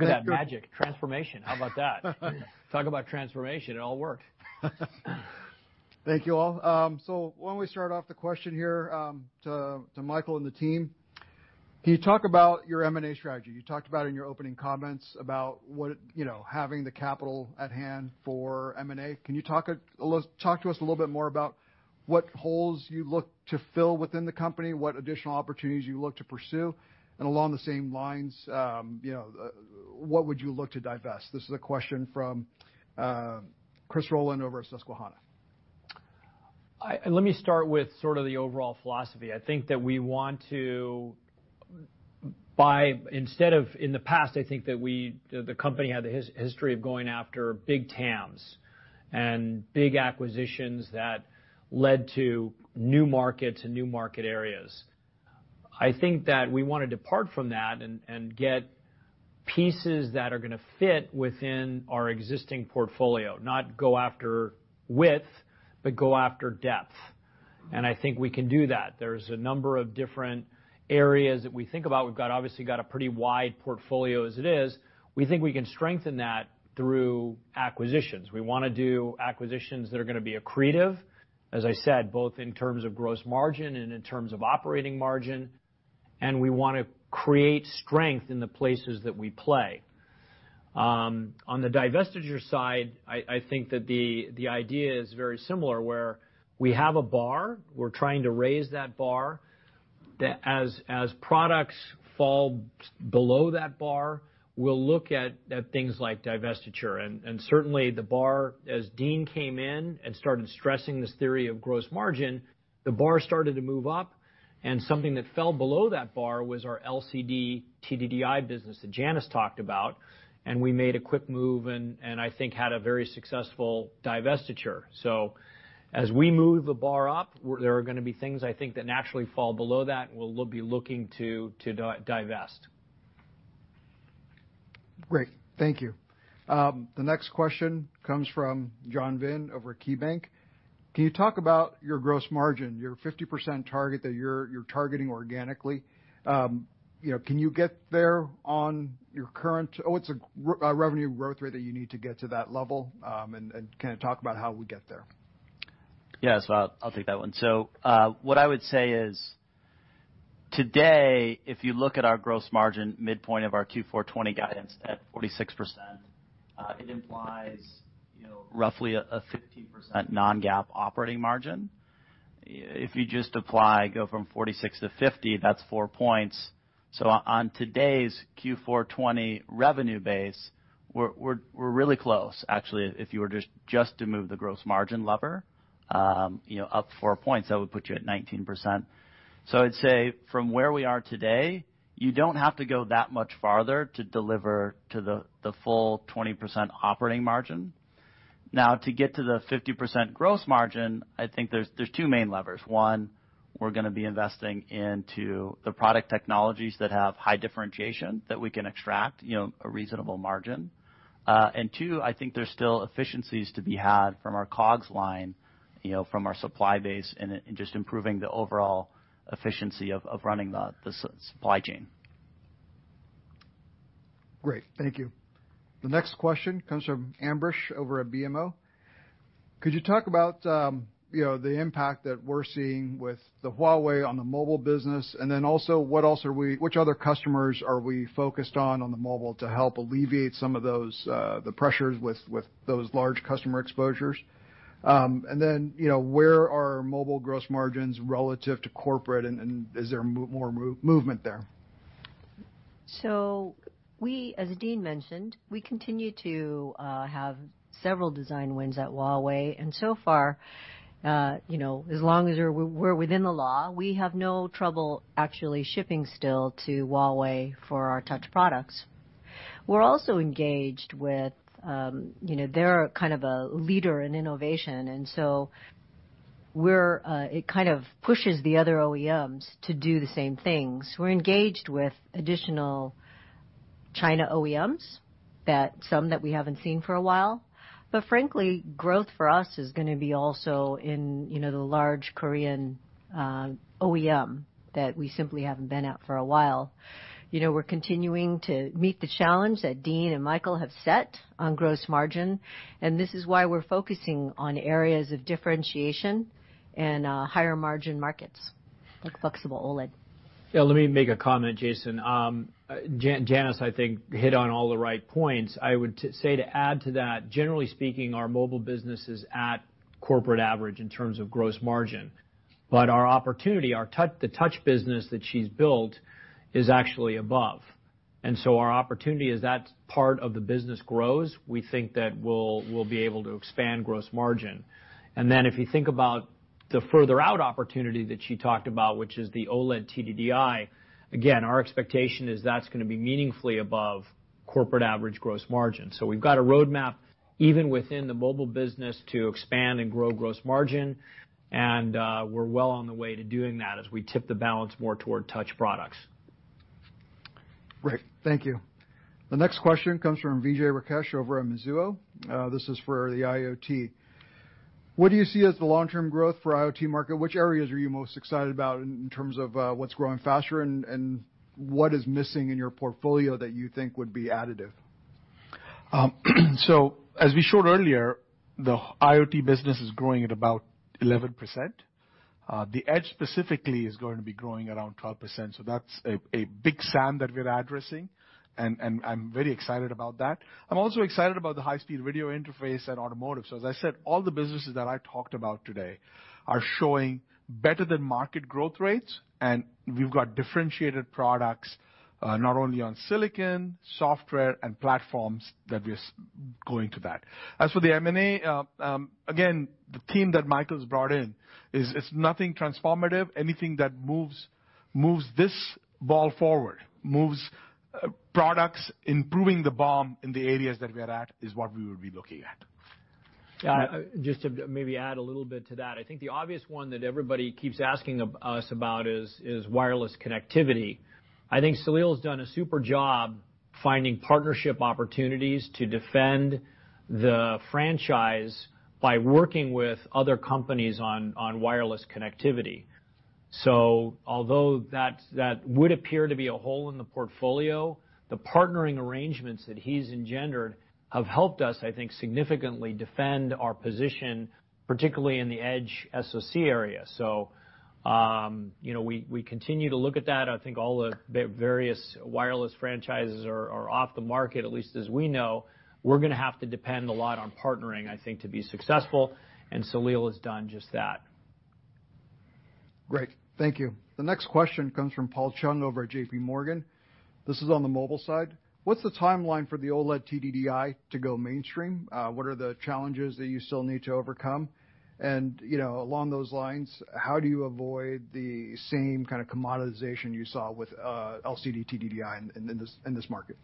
Look at that magic transformation. How about that? Talk about transformation. It all worked. Thank you all. Why don't we start off the question here to Michael and the team. Can you talk about your M&A strategy? You talked about in your opening comments about having the capital at hand for M&A. Can you talk to us a little bit more about what holes you look to fill within the company, what additional opportunities you look to pursue, and along the same lines, what would you look to divest? This is a question from Chris Rolland over at Susquehanna. Let me start with sort of the overall philosophy. I think that we want to buy instead of in the past, I think that the company had the history of going after big TAMs and big acquisitions that led to new markets and new market areas. I think that we want to depart from that and get pieces that are going to fit within our existing portfolio, not go after width, but go after depth, and I think we can do that. There's a number of different areas that we think about. We've obviously got a pretty wide portfolio as it is. We think we can strengthen that through acquisitions. We want to do acquisitions that are going to be accretive, as I said, both in terms of gross margin and in terms of operating margin, and we want to create strength in the places that we play. On the divestiture side, I think that the idea is very similar, where we have a bar, we're trying to raise that bar. As products fall below that bar, we'll look at things like divestiture. Certainly, the bar, as Dean came in and started stressing this theory of gross margin, the bar started to move up, and something that fell below that bar was our LCD TDDI business that Janice talked about, and we made a quick move and I think had a very successful divestiture. As we move the bar up, there are going to be things, I think, that naturally fall below that, and we'll be looking to divest. Great. Thank you. The next question comes from John Vinh over at KeyBanc. Can you talk about your gross margin, your 50% target that you're targeting organically? Can you get there on your current, what's a revenue growth rate that you need to get to that level? Can you talk about how we get there? Yes, I'll take that one. What I would say is today, if you look at our gross margin midpoint of our Q4 2020 guidance at 46%, it implies roughly a 15% non-GAAP operating margin. If you just apply, go from 46%-50%, that's 4 points. On today's Q4 2020 revenue base, we're really close. Actually, if you were just to move the gross margin lever up 4 points, that would put you at 19%. I'd say from where we are today, you don't have to go that much farther to deliver to the full 20% operating margin. Now, to get to the 50% gross margin, I think there's two main levers. One, we're going to be investing into the product technologies that have high differentiation that we can extract a reasonable margin. Two, I think there's still efficiencies to be had from our COGS line, from our supply base, and just improving the overall efficiency of running the supply chain. Great. Thank you. The next question comes from Ambrish over at BMO. Could you talk about the impact that we're seeing with Huawei on the mobile business? Which other customers are we focused on the mobile to help alleviate some of the pressures with those large customer exposures? Where are mobile gross margins relative to corporate, and is there more movement there? We, as Dean mentioned, we continue to have several design wins at Huawei, and so far, as long as we're within the law, we have no trouble actually shipping still to Huawei for our touch products. We also engaged with their kind of a leader in innovation, it kind of pushes the other OEMs to do the same things. We're engaged with additional China OEMs, some that we haven't seen for a while. Frankly, growth for us is going to be also in the large Korean OEM that we simply haven't been at for a while. We're continuing to meet the challenge that Dean and Michael have set on gross margin, and this is why we're focusing on areas of differentiation and higher margin markets, like flexible OLED. Yeah, let me make a comment, Jason. Janice, I think, hit on all the right points. I would say to add to that, generally speaking, our mobile business is at corporate average in terms of gross margin. Our opportunity, the touch business that she's built, is actually above. Our opportunity, as that part of the business grows, we think that we'll be able to expand gross margin. If you think about the further out opportunity that she talked about, which is the OLED TDDI, again, our expectation is that's going to be meaningfully above corporate average gross margin. We've got a roadmap even within the mobile business to expand and grow gross margin, and we're well on the way to doing that as we tip the balance more toward touch products. Great, thank you. The next question comes from Vijay Rakesh over at Mizuho. This is for the IoT. What do you see as the long-term growth for IoT market? Which areas are you most excited about in terms of what's growing faster and what is missing in your portfolio that you think would be additive? As we showed earlier, the IoT business is growing at about 11%. The edge specifically is going to be growing around 12%. That's a big SAM that we're addressing, and I'm very excited about that. I'm also excited about the high-speed video interface and automotive. As I said, all the businesses that I talked about today are showing better than market growth rates, and we've got differentiated products, not only on silicon, software, and platforms that we are going to that. For the M&A, again, the team that Michael's brought in is nothing transformative. Anything that moves this ball forward, moves products, improving the BOM in the areas that we're at, is what we would be looking at. Just to maybe add a little bit to that. I think the obvious one that everybody keeps asking us about is wireless connectivity. I think Saleel's done a super job finding partnership opportunities to defend the franchise by working with other companies on wireless connectivity. Although that would appear to be a hole in the portfolio, the partnering arrangements that he's engendered have helped us, I think, significantly defend our position, particularly in the edge SoC area. We continue to look at that. I think all the various wireless franchises are off the market, at least as we know. We're going to have to depend a lot on partnering, I think, to be successful, and Saleel has done just that. Great, thank you. The next question comes from Paul Chung over at JPMorgan. This is on the mobile side. What's the timeline for the OLED TDDI to go mainstream? What are the challenges that you still need to overcome? Along those lines, how do you avoid the same kind of commoditization you saw with LCD TDDI in this market?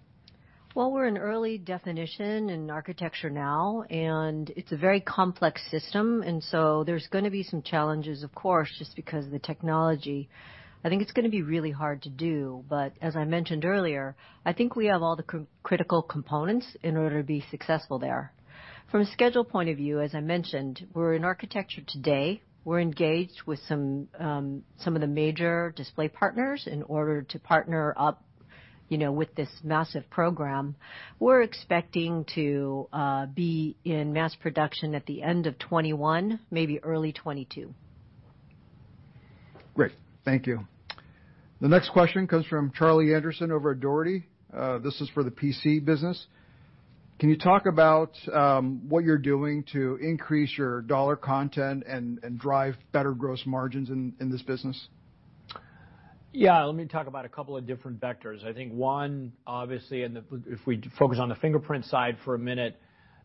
Well, we're in early definition in architecture now, and it's a very complex system. There's going to be some challenges, of course, just because of the technology. I think it's going to be really hard to do. As I mentioned earlier, I think we have all the critical components in order to be successful there. From a schedule point of view, as I mentioned, we're in architecture today. We're engaged with some of the major display partners in order to partner up with this massive program. We're expecting to be in mass production at the end of 2021, maybe early 2022. Great, thank you. The next question comes from Charlie Anderson over at Dougherty. This is for the PC business. Can you talk about what you're doing to increase your dollar content and drive better gross margins in this business? Yeah, let me talk about a couple of different vectors. I think one, obviously, and if we focus on the fingerprint side for a minute,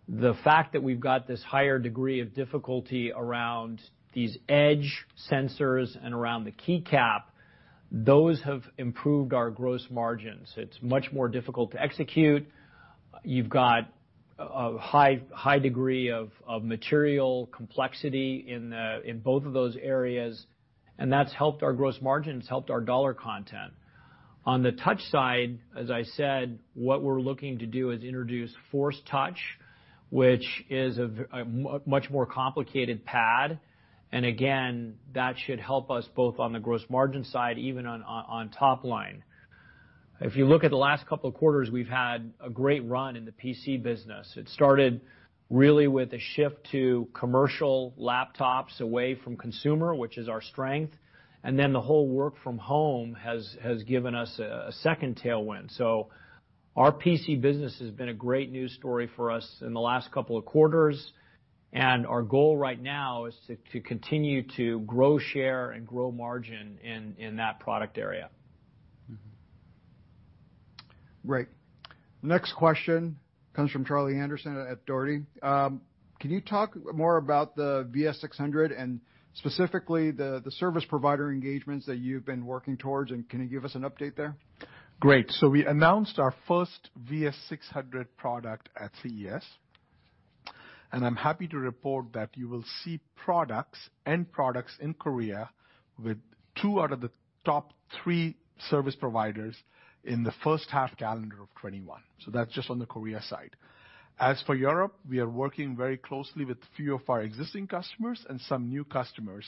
the fact that we've got this higher degree of difficulty around these edge sensors and around the key cap, those have improved our gross margins. It's much more difficult to execute. You've got a high degree of material complexity in both of those areas, and that's helped our gross margins, helped our dollar content. On the touch side, as I said, what we're looking to do is introduce Force Touch, which is a much more complicated pad. Again, that should help us both on the gross margin side, even on top line. If you look at the last couple of quarters, we've had a great run in the PC business. It started really with a shift to commercial laptops away from consumer, which is our strength, and then the whole work from home has given us a second tailwind. Our PC business has been a great news story for us in the last couple of quarters, and our goal right now is to continue to grow share and grow margin in that product area. Great. Next question comes from Charlie Anderson at Dougherty. Can you talk more about the VS600 and specifically the service provider engagements that you've been working towards, and can you give us an update there? Great. We announced our first VS600 product at CES, and I'm happy to report that you will see end products in Korea with two out of the top three service providers in the first half calendar of 2021. That's just on the Korea side. As for Europe, we are working very closely with few of our existing customers and some new customers.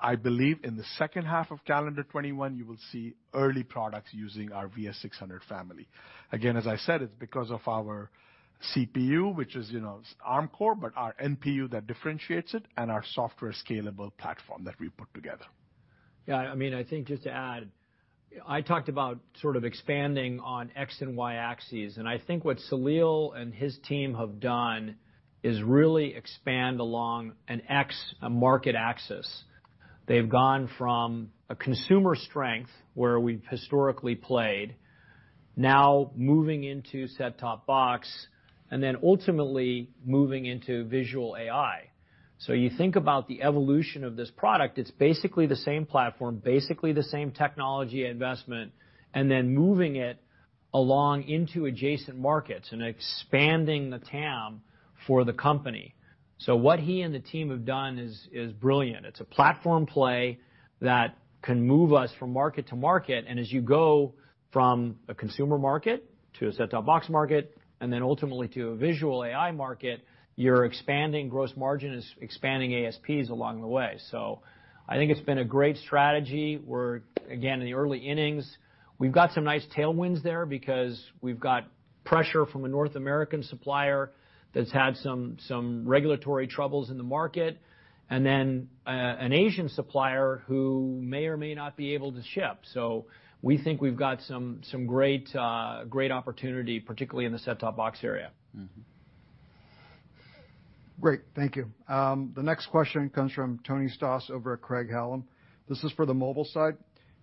I believe in the second half of calendar 2021, you will see early products using our VS600 family. Again, as I said, it's because of our CPU, which is Arm core, but our NPU that differentiates it and our software scalable platform that we put together. I think just to add, I talked about sort of expanding on X and Y axes, and I think what Saleel and his team have done is really expand along a market axis. They've gone from a consumer strength, where we've historically played, now moving into set-top box, and then ultimately moving into visual AI. You think about the evolution of this product, it's basically the same platform, basically the same technology investment, and then moving it along into adjacent markets and expanding the TAM for the company. What he and the team have done is brilliant. It's a platform play that can move us from market to market, and as you go from a consumer market to a set-top box market, and then ultimately to a visual AI market, you're expanding gross margin, expanding ASPs along the way. I think it's been a great strategy. We're, again, in the early innings. We've got some nice tailwinds there because we've got pressure from a North American supplier that's had some regulatory troubles in the market, and then an Asian supplier who may or may not be able to ship. We think we've got some great opportunity, particularly in the set-top box area. Great. Thank you. The next question comes from Tony Stoss over at Craig-Hallum. This is for the mobile side.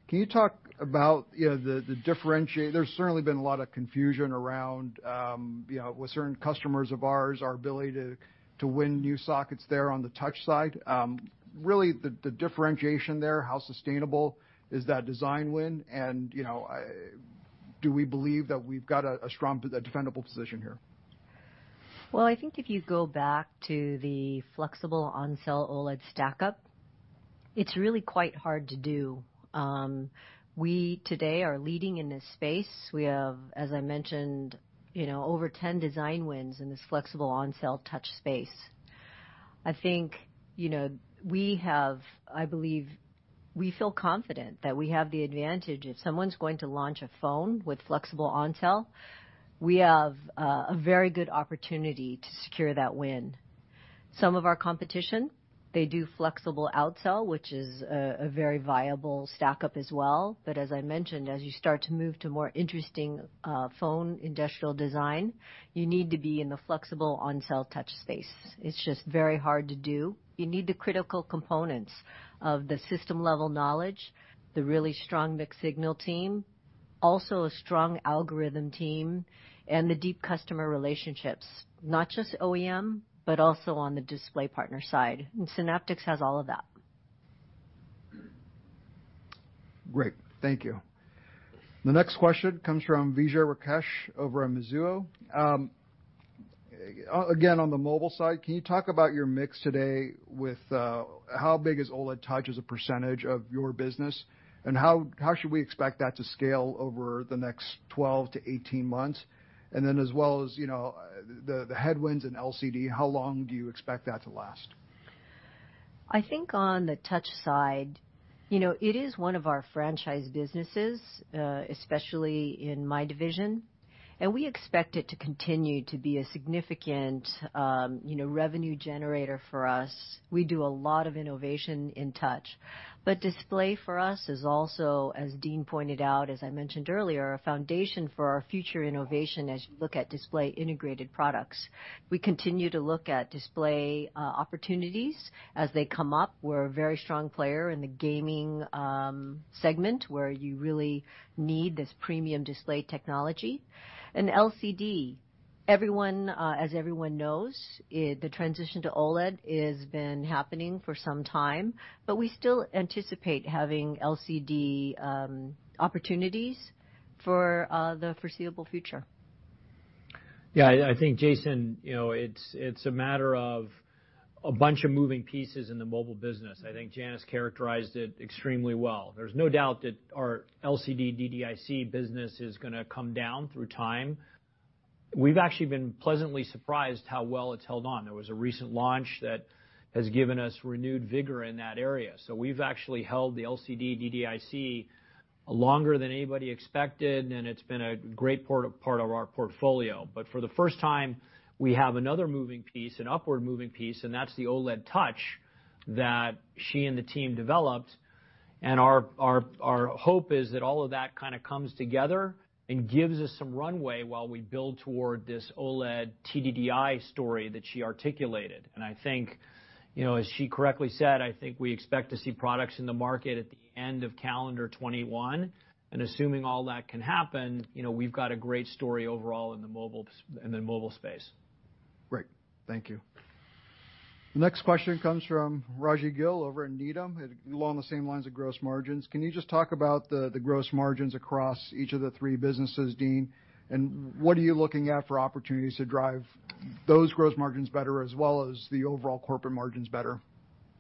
Can you talk about the differentiator? There's certainly been a lot of confusion around, with certain customers of ours, our ability to win new sockets there on the touch side. Really, the differentiation there, how sustainable is that design win, and do we believe that we've got a strong, defendable position here? Well, I think if you go back to the flexible on-cell OLED stack-up, it's really quite hard to do. We today are leading in this space. We have, as I mentioned, over 10 design wins in this flexible on-cell touch space. I believe we feel confident that we have the advantage. If someone's going to launch a phone with flexible on-cell, we have a very good opportunity to secure that win. Some of our competition, they do flexible out-cell, which is a very viable stack-up as well. As I mentioned, as you start to move to more interesting phone industrial design, you need to be in the flexible on-cell touch space. It's just very hard to do. You need the critical components of the system-level knowledge, the really strong mixed signal team, also a strong algorithm team, and the deep customer relationships. Not just OEM, but also on the display partner side. Synaptics has all of that. Great. Thank you. The next question comes from Vijay Rakesh over at Mizuho. On the mobile side, can you talk about your mix today with how big is OLED touch as a percentage of your business, and how should we expect that to scale over the next 12-18 months? The headwinds in LCD, how long do you expect that to last? I think on the touch side, it is one of our franchise businesses, especially in my division, and we expect it to continue to be a significant revenue generator for us. We do a lot of innovation in touch. Display for us is also, as Dean pointed out, as I mentioned earlier, a foundation for our future innovation as you look at display integrated products. We continue to look at display opportunities as they come up. We're a very strong player in the gaming segment, where you really need this premium display technology. LCD, as everyone knows, the transition to OLED has been happening for some time, but we still anticipate having LCD opportunities for the foreseeable future. Yeah, I think, Jason, it's a matter of a bunch of moving pieces in the mobile business. I think Janice characterized it extremely well. There's no doubt that our LCD DDIC business is going to come down through time. We've actually been pleasantly surprised how well it's held on. There was a recent launch that has given us renewed vigor in that area. We've actually held the LCD DDIC longer than anybody expected, and it's been a great part of our portfolio. For the first time, we have another moving piece, an upward moving piece, and that's the OLED touch that she and the team developed. Our hope is that all of that kind of comes together and gives us some runway while we build toward this OLED TDDI story that she articulated. I think, as she correctly said, I think we expect to see products in the market at the end of calendar 2021. Assuming all that can happen, we've got a great story overall in the mobile space. Great. Thank you. Next question comes from Raji Gill over at Needham, along the same lines of gross margins. Can you just talk about the gross margins across each of the three businesses, Dean? What are you looking at for opportunities to drive those gross margins better as well as the overall corporate margins better?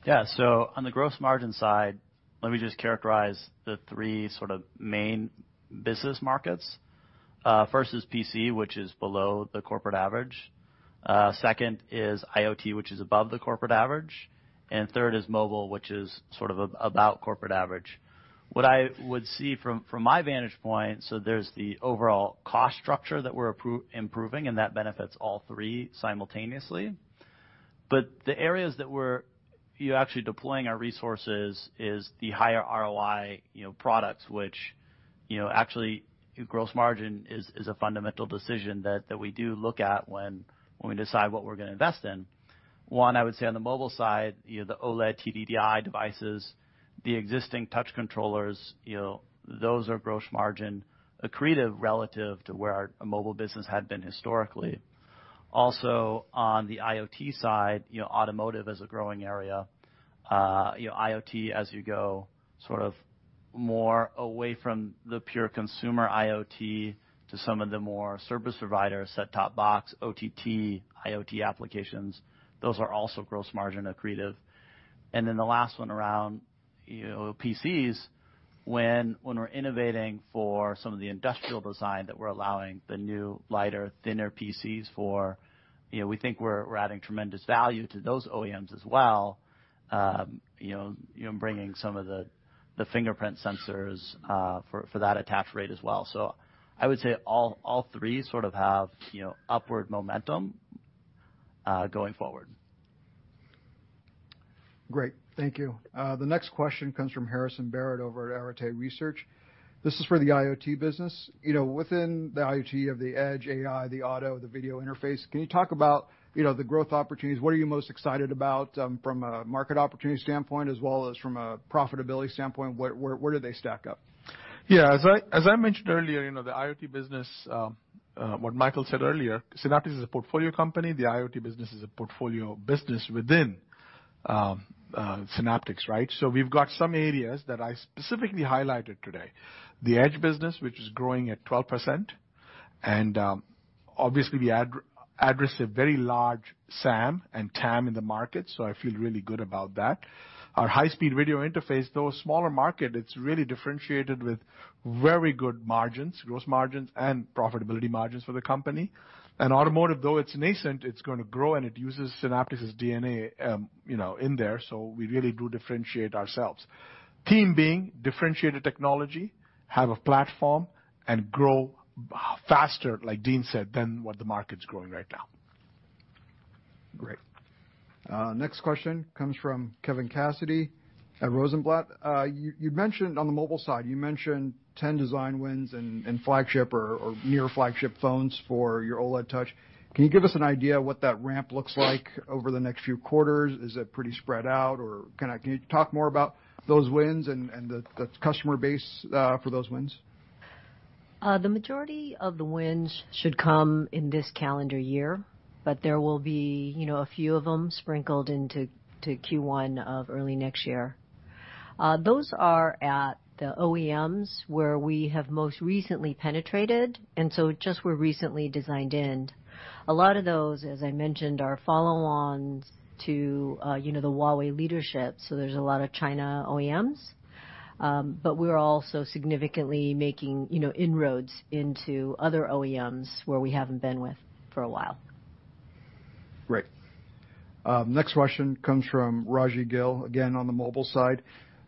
Yeah. On the gross margin side, let me just characterize the three sort of main business markets. First is PC, which is below the corporate average. Second is IoT, which is above the corporate average, and third is mobile, which is sort of about corporate average. What I would see from my vantage point, there's the overall cost structure that we're improving, and that benefits all three simultaneously. The areas that we're actually deploying our resources is the higher ROI products, which actually, gross margin is a fundamental decision that we do look at when we decide what we're going to invest in. One, I would say on the mobile side, the OLED TDDI devices, the existing touch controllers, those are gross margin accretive relative to where our mobile business had been historically. Also, on the IoT side, automotive is a growing area. IoT, as you go sort of more away from the pure consumer IoT to some of the more service providers, set-top box, OTT, IoT applications, those are also gross margin accretive. The last one around PCs, when we're innovating for some of the industrial design that we're allowing the new, lighter, thinner PCs for, we think we're adding tremendous value to those OEMs as well, bringing some of the fingerprint sensors for that attach rate as well. I would say all three sort of have upward momentum going forward. Great. Thank you. The next question comes from Harrison Barrett over at Arete Research. This is for the IoT business. Within the IoT of the edge AI, the auto, the video interface, can you talk about the growth opportunities? What are you most excited about from a market opportunity standpoint as well as from a profitability standpoint? Where do they stack up? Yeah. As I mentioned earlier, the IoT business, what Michael said earlier, Synaptics is a portfolio company. The IoT business is a portfolio business within Synaptics, right? We've got some areas that I specifically highlighted today. The edge business, which is growing at 12%, and obviously we address a very large SAM and TAM in the market, so I feel really good about that. Our high-speed video interface, though a smaller market, it's really differentiated with very good margins, gross margins, and profitability margins for the company. Automotive, though it's nascent, it's going to grow, and it uses Synaptics' DNA in there, so we really do differentiate ourselves. Theme being differentiated technology, have a platform, and grow faster, like Dean said, than what the market's growing right now. Great. Next question comes from Kevin Cassidy at Rosenblatt. You mentioned on the mobile side, you mentioned 10 design wins and flagship or near flagship phones for your OLED touch. Can you give us an idea what that ramp looks like over the next few quarters? Is it pretty spread out, or can you talk more about those wins and the customer base for those wins? The majority of the wins should come in this calendar year, but there will be a few of them sprinkled into Q1 of early next year. Those are at the OEMs where we have most recently penetrated, and so just were recently designed in. A lot of those, as I mentioned, are follow-ons to the Huawei leadership, so there's a lot of China OEMs. We're also significantly making inroads into other OEMs where we haven't been with for a while. Great. Next question comes from Raji Gill, again on the mobile side.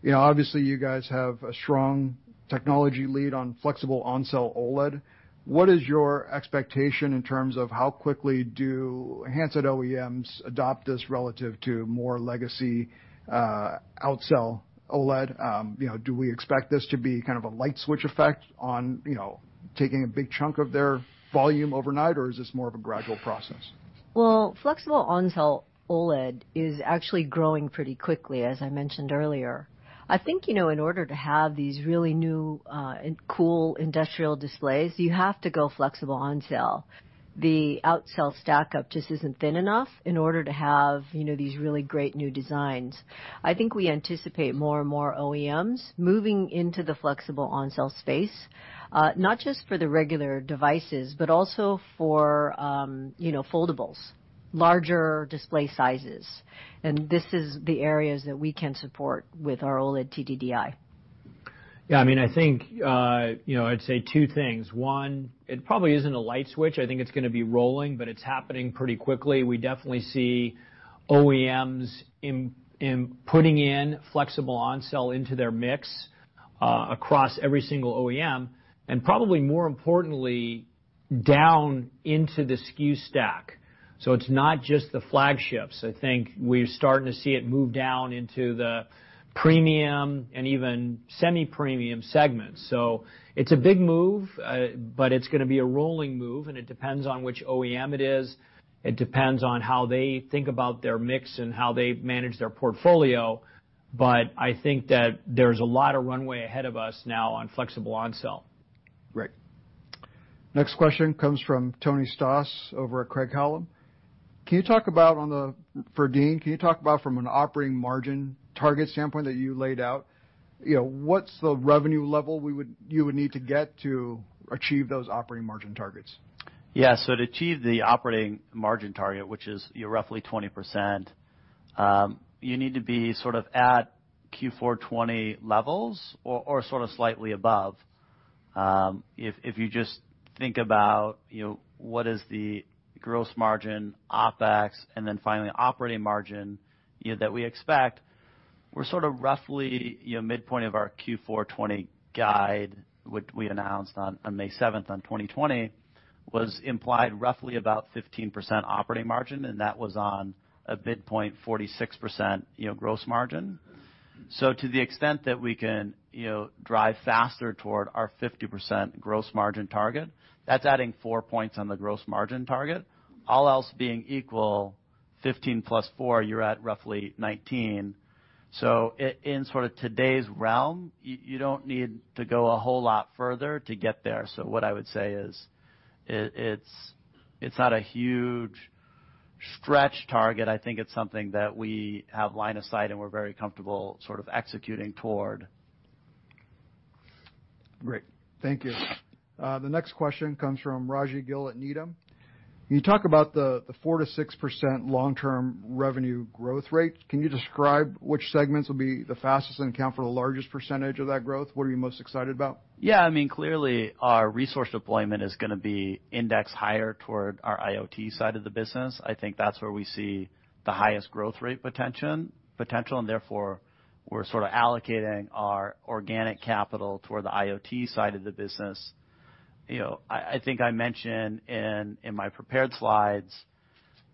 Obviously, you guys have a strong technology lead on flexible on-cell OLED. What is your expectation in terms of how quickly do handset OEMs adopt this relative to more legacy out-cell OLED? Do we expect this to be kind of a light switch effect on taking a big chunk of their volume overnight, or is this more of a gradual process? Well, flexible on-cell OLED is actually growing pretty quickly, as I mentioned earlier. I think in order to have these really new and cool industrial displays, you have to go flexible on-cell. The out-cell stackup just isn't thin enough in order to have these really great new displays designs. I think we anticipate more and more OEMs moving into the flexible on-cell space, not just for the regular devices, but also for foldables, larger display sizes. This is the areas that we can support with our OLED TDDI. Yeah, I'd say two things. One, it probably isn't a light switch. I think it's going to be rolling, but it's happening pretty quickly. We definitely see OEMs putting in flexible on-cell into their mix, across every single OEM, and probably more importantly, down into the SKU stack. It's not just the flagships. I think we're starting to see it move down into the premium and even semi-premium segments. It's a big move, but it's going to be a rolling move, and it depends on which OEM it is. It depends on how they think about their mix and how they manage their portfolio. I think that there's a lot of runway ahead of us now on flexible on-cell. Great. Next question comes from Tony Stoss over at Craig-Hallum. Can you talk about for Dean, can you talk about from an operating margin target standpoint that you laid out, what's the revenue level you would need to get to achieve those operating margin targets? Yeah. To achieve the operating margin target, which is roughly 20%, you need to be sort of at Q4 2020 levels or sort of slightly above. If you just think about what is the gross margin, OpEx, and then finally operating margin that we expect, we're sort of roughly midpoint of our Q4 2020 guide, which we announced May 7, 2020, was implied roughly about 15% operating margin, and that was on a midpoint 46% gross margin. To the extent that we can drive faster toward our 50% gross margin target, that's adding 4 points on the gross margin target. All else being equal, 15 plus four, you're at roughly 19. In sort of today's realm, you don't need to go a whole lot further to get there. What I would say is, it's not a huge stretch target. I think it's something that we have line of sight, and we're very comfortable sort of executing toward. Great. Thank you. The next question comes from Raji Gill at Needham. You talk about the 4%-6% long-term revenue growth rate. Can you describe which segments will be the fastest and account for the largest percentage of that growth? What are you most excited about? Yeah. Clearly, our resource deployment is going to be indexed higher toward our IoT side of the business. I think that's where we see the highest growth rate potential, and therefore, we're sort of allocating our organic capital toward the IoT side of the business. I think I mentioned in my prepared slides,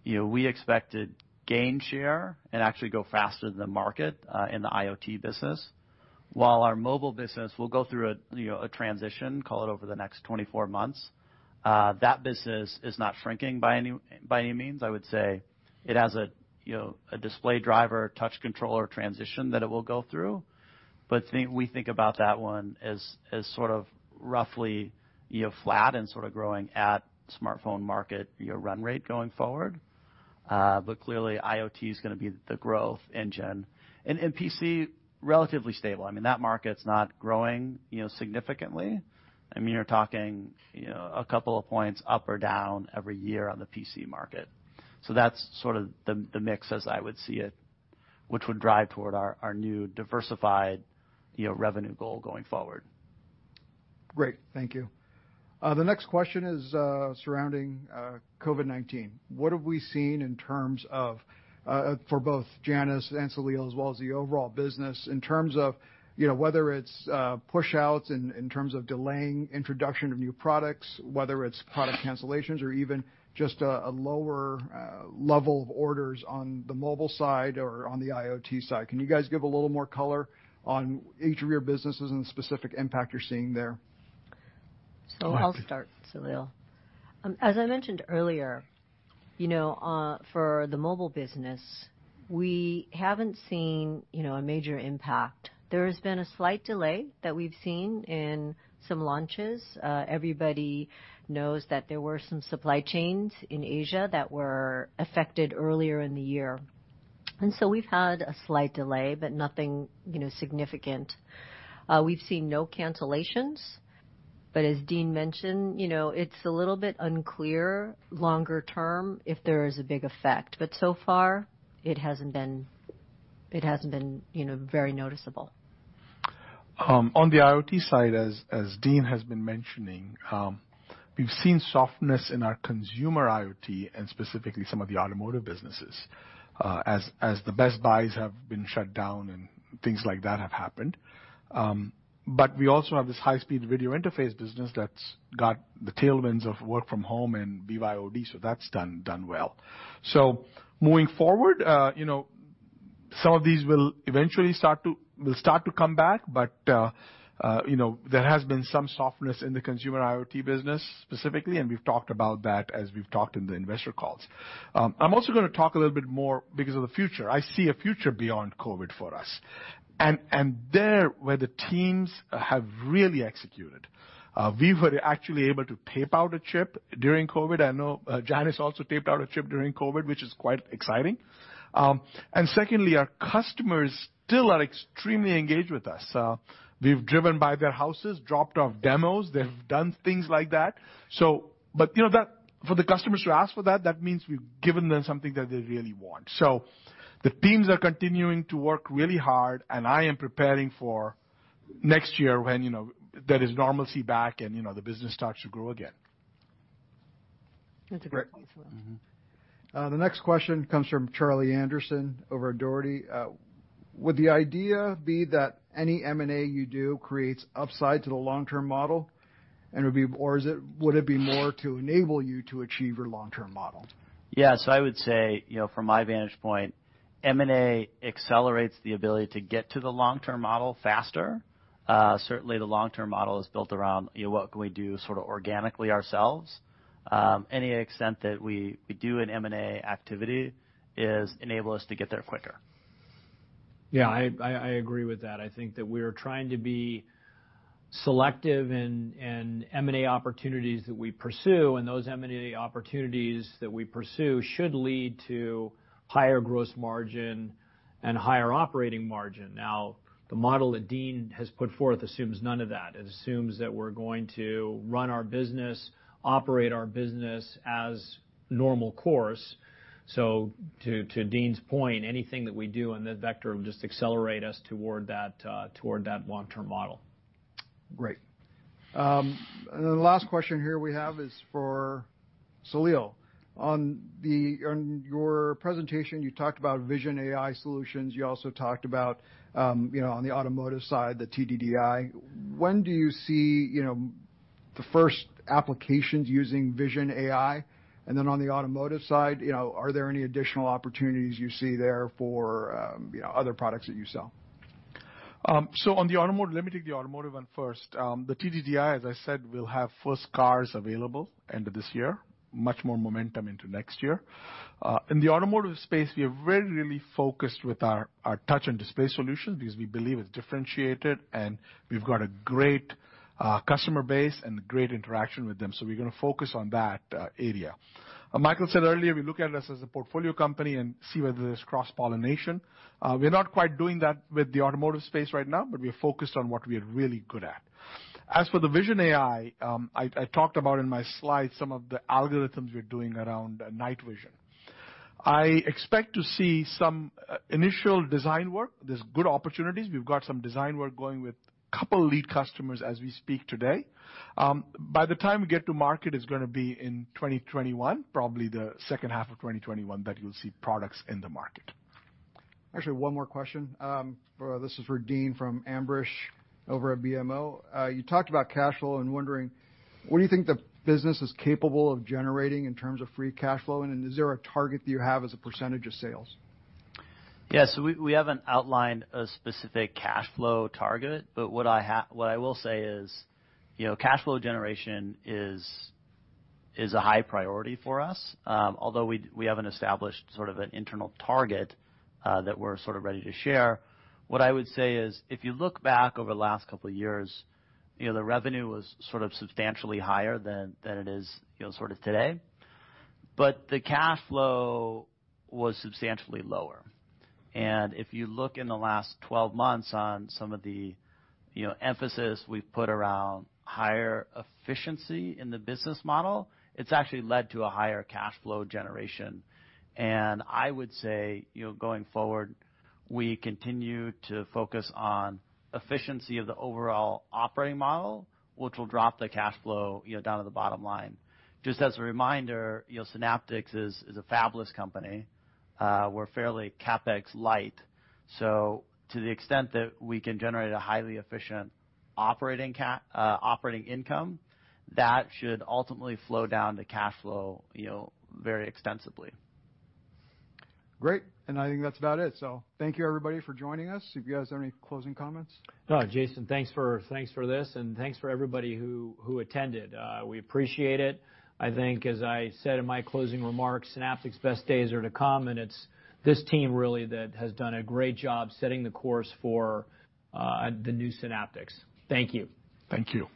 we expected gain share and actually go faster than the market, in the IoT business. While our mobile business will go through a transition, call it over the next 24 months. That business is not shrinking by any means. I would say it has a display driver touch controller transition that it will go through. We think about that one as sort of roughly flat and sort of growing at smartphone market run rate going forward. Clearly, IoT is going to be the growth engine. PC, relatively stable. That market's not growing significantly. You're talking a couple of points up or down every year on the PC market. That's sort of the mix as I would see it, which would drive toward our new diversified revenue goal going forward. Great. Thank you. The next question is surrounding COVID-19. What have we seen in terms of, for both Janice and Saleel, as well as the overall business, in terms of whether it's push outs in terms of delaying introduction of new products, whether it's product cancellations or even just a lower level of orders on the mobile side or on the IoT side. Can you guys give a little more color on each of your businesses and the specific impact you're seeing there? I'll start, Saleel. As I mentioned earlier, for the mobile business, we haven't seen a major impact. There has been a slight delay that we've seen in some launches. Everybody knows that there were some supply chains in Asia that were affected earlier in the year. We've had a slight delay, but nothing significant. We've seen no cancellations, but as Dean mentioned, it's a little bit unclear longer term if there is a big effect. So far it hasn't been very noticeable. On the IoT side, as Dean has been mentioning, we've seen softness in our consumer IoT and specifically some of the automotive businesses, as the Best Buys have been shut down and things like that have happened. We also have this high-speed video interface business that's got the tailwinds of work from home and BYOD, so that's done well. Moving forward, some of these will eventually start to come back, but there has been some softness in the consumer IoT business specifically, and we've talked about that as we've talked in the investor calls. I'm also going to talk a little bit more because of the future. I see a future beyond COVID for us, and there where the teams have really executed. We were actually able to tape out a chip during COVID. I know Janice also taped out a chip during COVID, which is quite exciting. Secondly, our customers still are extremely engaged with us. We've driven by their houses, dropped off demos, they've done things like that. For the customers to ask for that means we've given them something that they really want. The teams are continuing to work really hard, and I am preparing for next year when there is normalcy back and the business starts to grow again. That's a great point, Saleel. The next question comes from Charlie Anderson over at Dougherty. Would the idea be that any M&A you do creates upside to the long-term model, or would it be more to enable you to achieve your long-term model? Yeah. I would say, from my vantage point, M&A accelerates the ability to get to the long-term model faster. Certainly, the long-term model is built around what can we do sort of organically ourselves. Any extent that we do an M&A activity enables us to get there quicker. Yeah, I agree with that. I think that we are trying to be selective in M&A opportunities that we pursue, and those M&A opportunities that we pursue should lead to higher gross margin and higher operating margin. Now, the model that Dean has put forth assumes none of that. It assumes that we're going to run our business, operate our business as normal course. To Dean's point, anything that we do in that vector will just accelerate us toward that long-term model. Great. The last question here we have is for Saleel. On your presentation, you talked about vision AI solutions. You also talked about, on the automotive side, the TDDI. When do you see the first applications using vision AI? On the automotive side, are there any additional opportunities you see there for other products that you sell? On the automotive, let me take the automotive one first. The TDDI, as I said, will have first cars available end of this year, much more momentum into next year. In the automotive space, we are very, really focused with our touch and display solutions because we believe it's differentiated, and we've got a great customer base and great interaction with them. We're going to focus on that area. Michael said earlier, we look at us as a portfolio company and see whether there's cross-pollination. We're not quite doing that with the automotive space right now, but we are focused on what we are really good at. As for the vision AI, I talked about in my slides some of the algorithms we're doing around night vision. I expect to see some initial design work. There's good opportunities. We've got some design work going with a couple lead customers as we speak today. By the time we get to market, it's gonna be in 2021, probably the second half of 2021 that you'll see products in the market. Actually, one more question. This is for Dean from Ambrish over at BMO. You talked about cash flow, I'm wondering, what do you think the business is capable of generating in terms of free cash flow? Is there a target that you have as a percentage of sales? Yeah. We haven't outlined a specific cash flow target. What I will say is, cash flow generation is a high priority for us. Although we haven't established sort of an internal target that we're sort of ready to share. What I would say is, if you look back over the last couple of years, the revenue was sort of substantially higher than it is sort of today. The cash flow was substantially lower. If you look in the last 12 months on some of the emphasis we've put around higher efficiency in the business model, it's actually led to a higher cash flow generation. I would say, going forward, we continue to focus on efficiency of the overall operating model, which will drop the cash flow down to the bottom line. Just as a reminder, Synaptics is a fabless company. We're fairly CapEx light. To the extent that we can generate a highly efficient operating income, that should ultimately flow down to cash flow very extensively. Great. I think that's about it. Thank you everybody for joining us. If you guys have any closing comments? Jason, thanks for this, thanks for everybody who attended. We appreciate it. I think as I said in my closing remarks, Synaptics' best days are to come, it's this team really that has done a great job setting the course for the new Synaptics. Thank you. Thank you.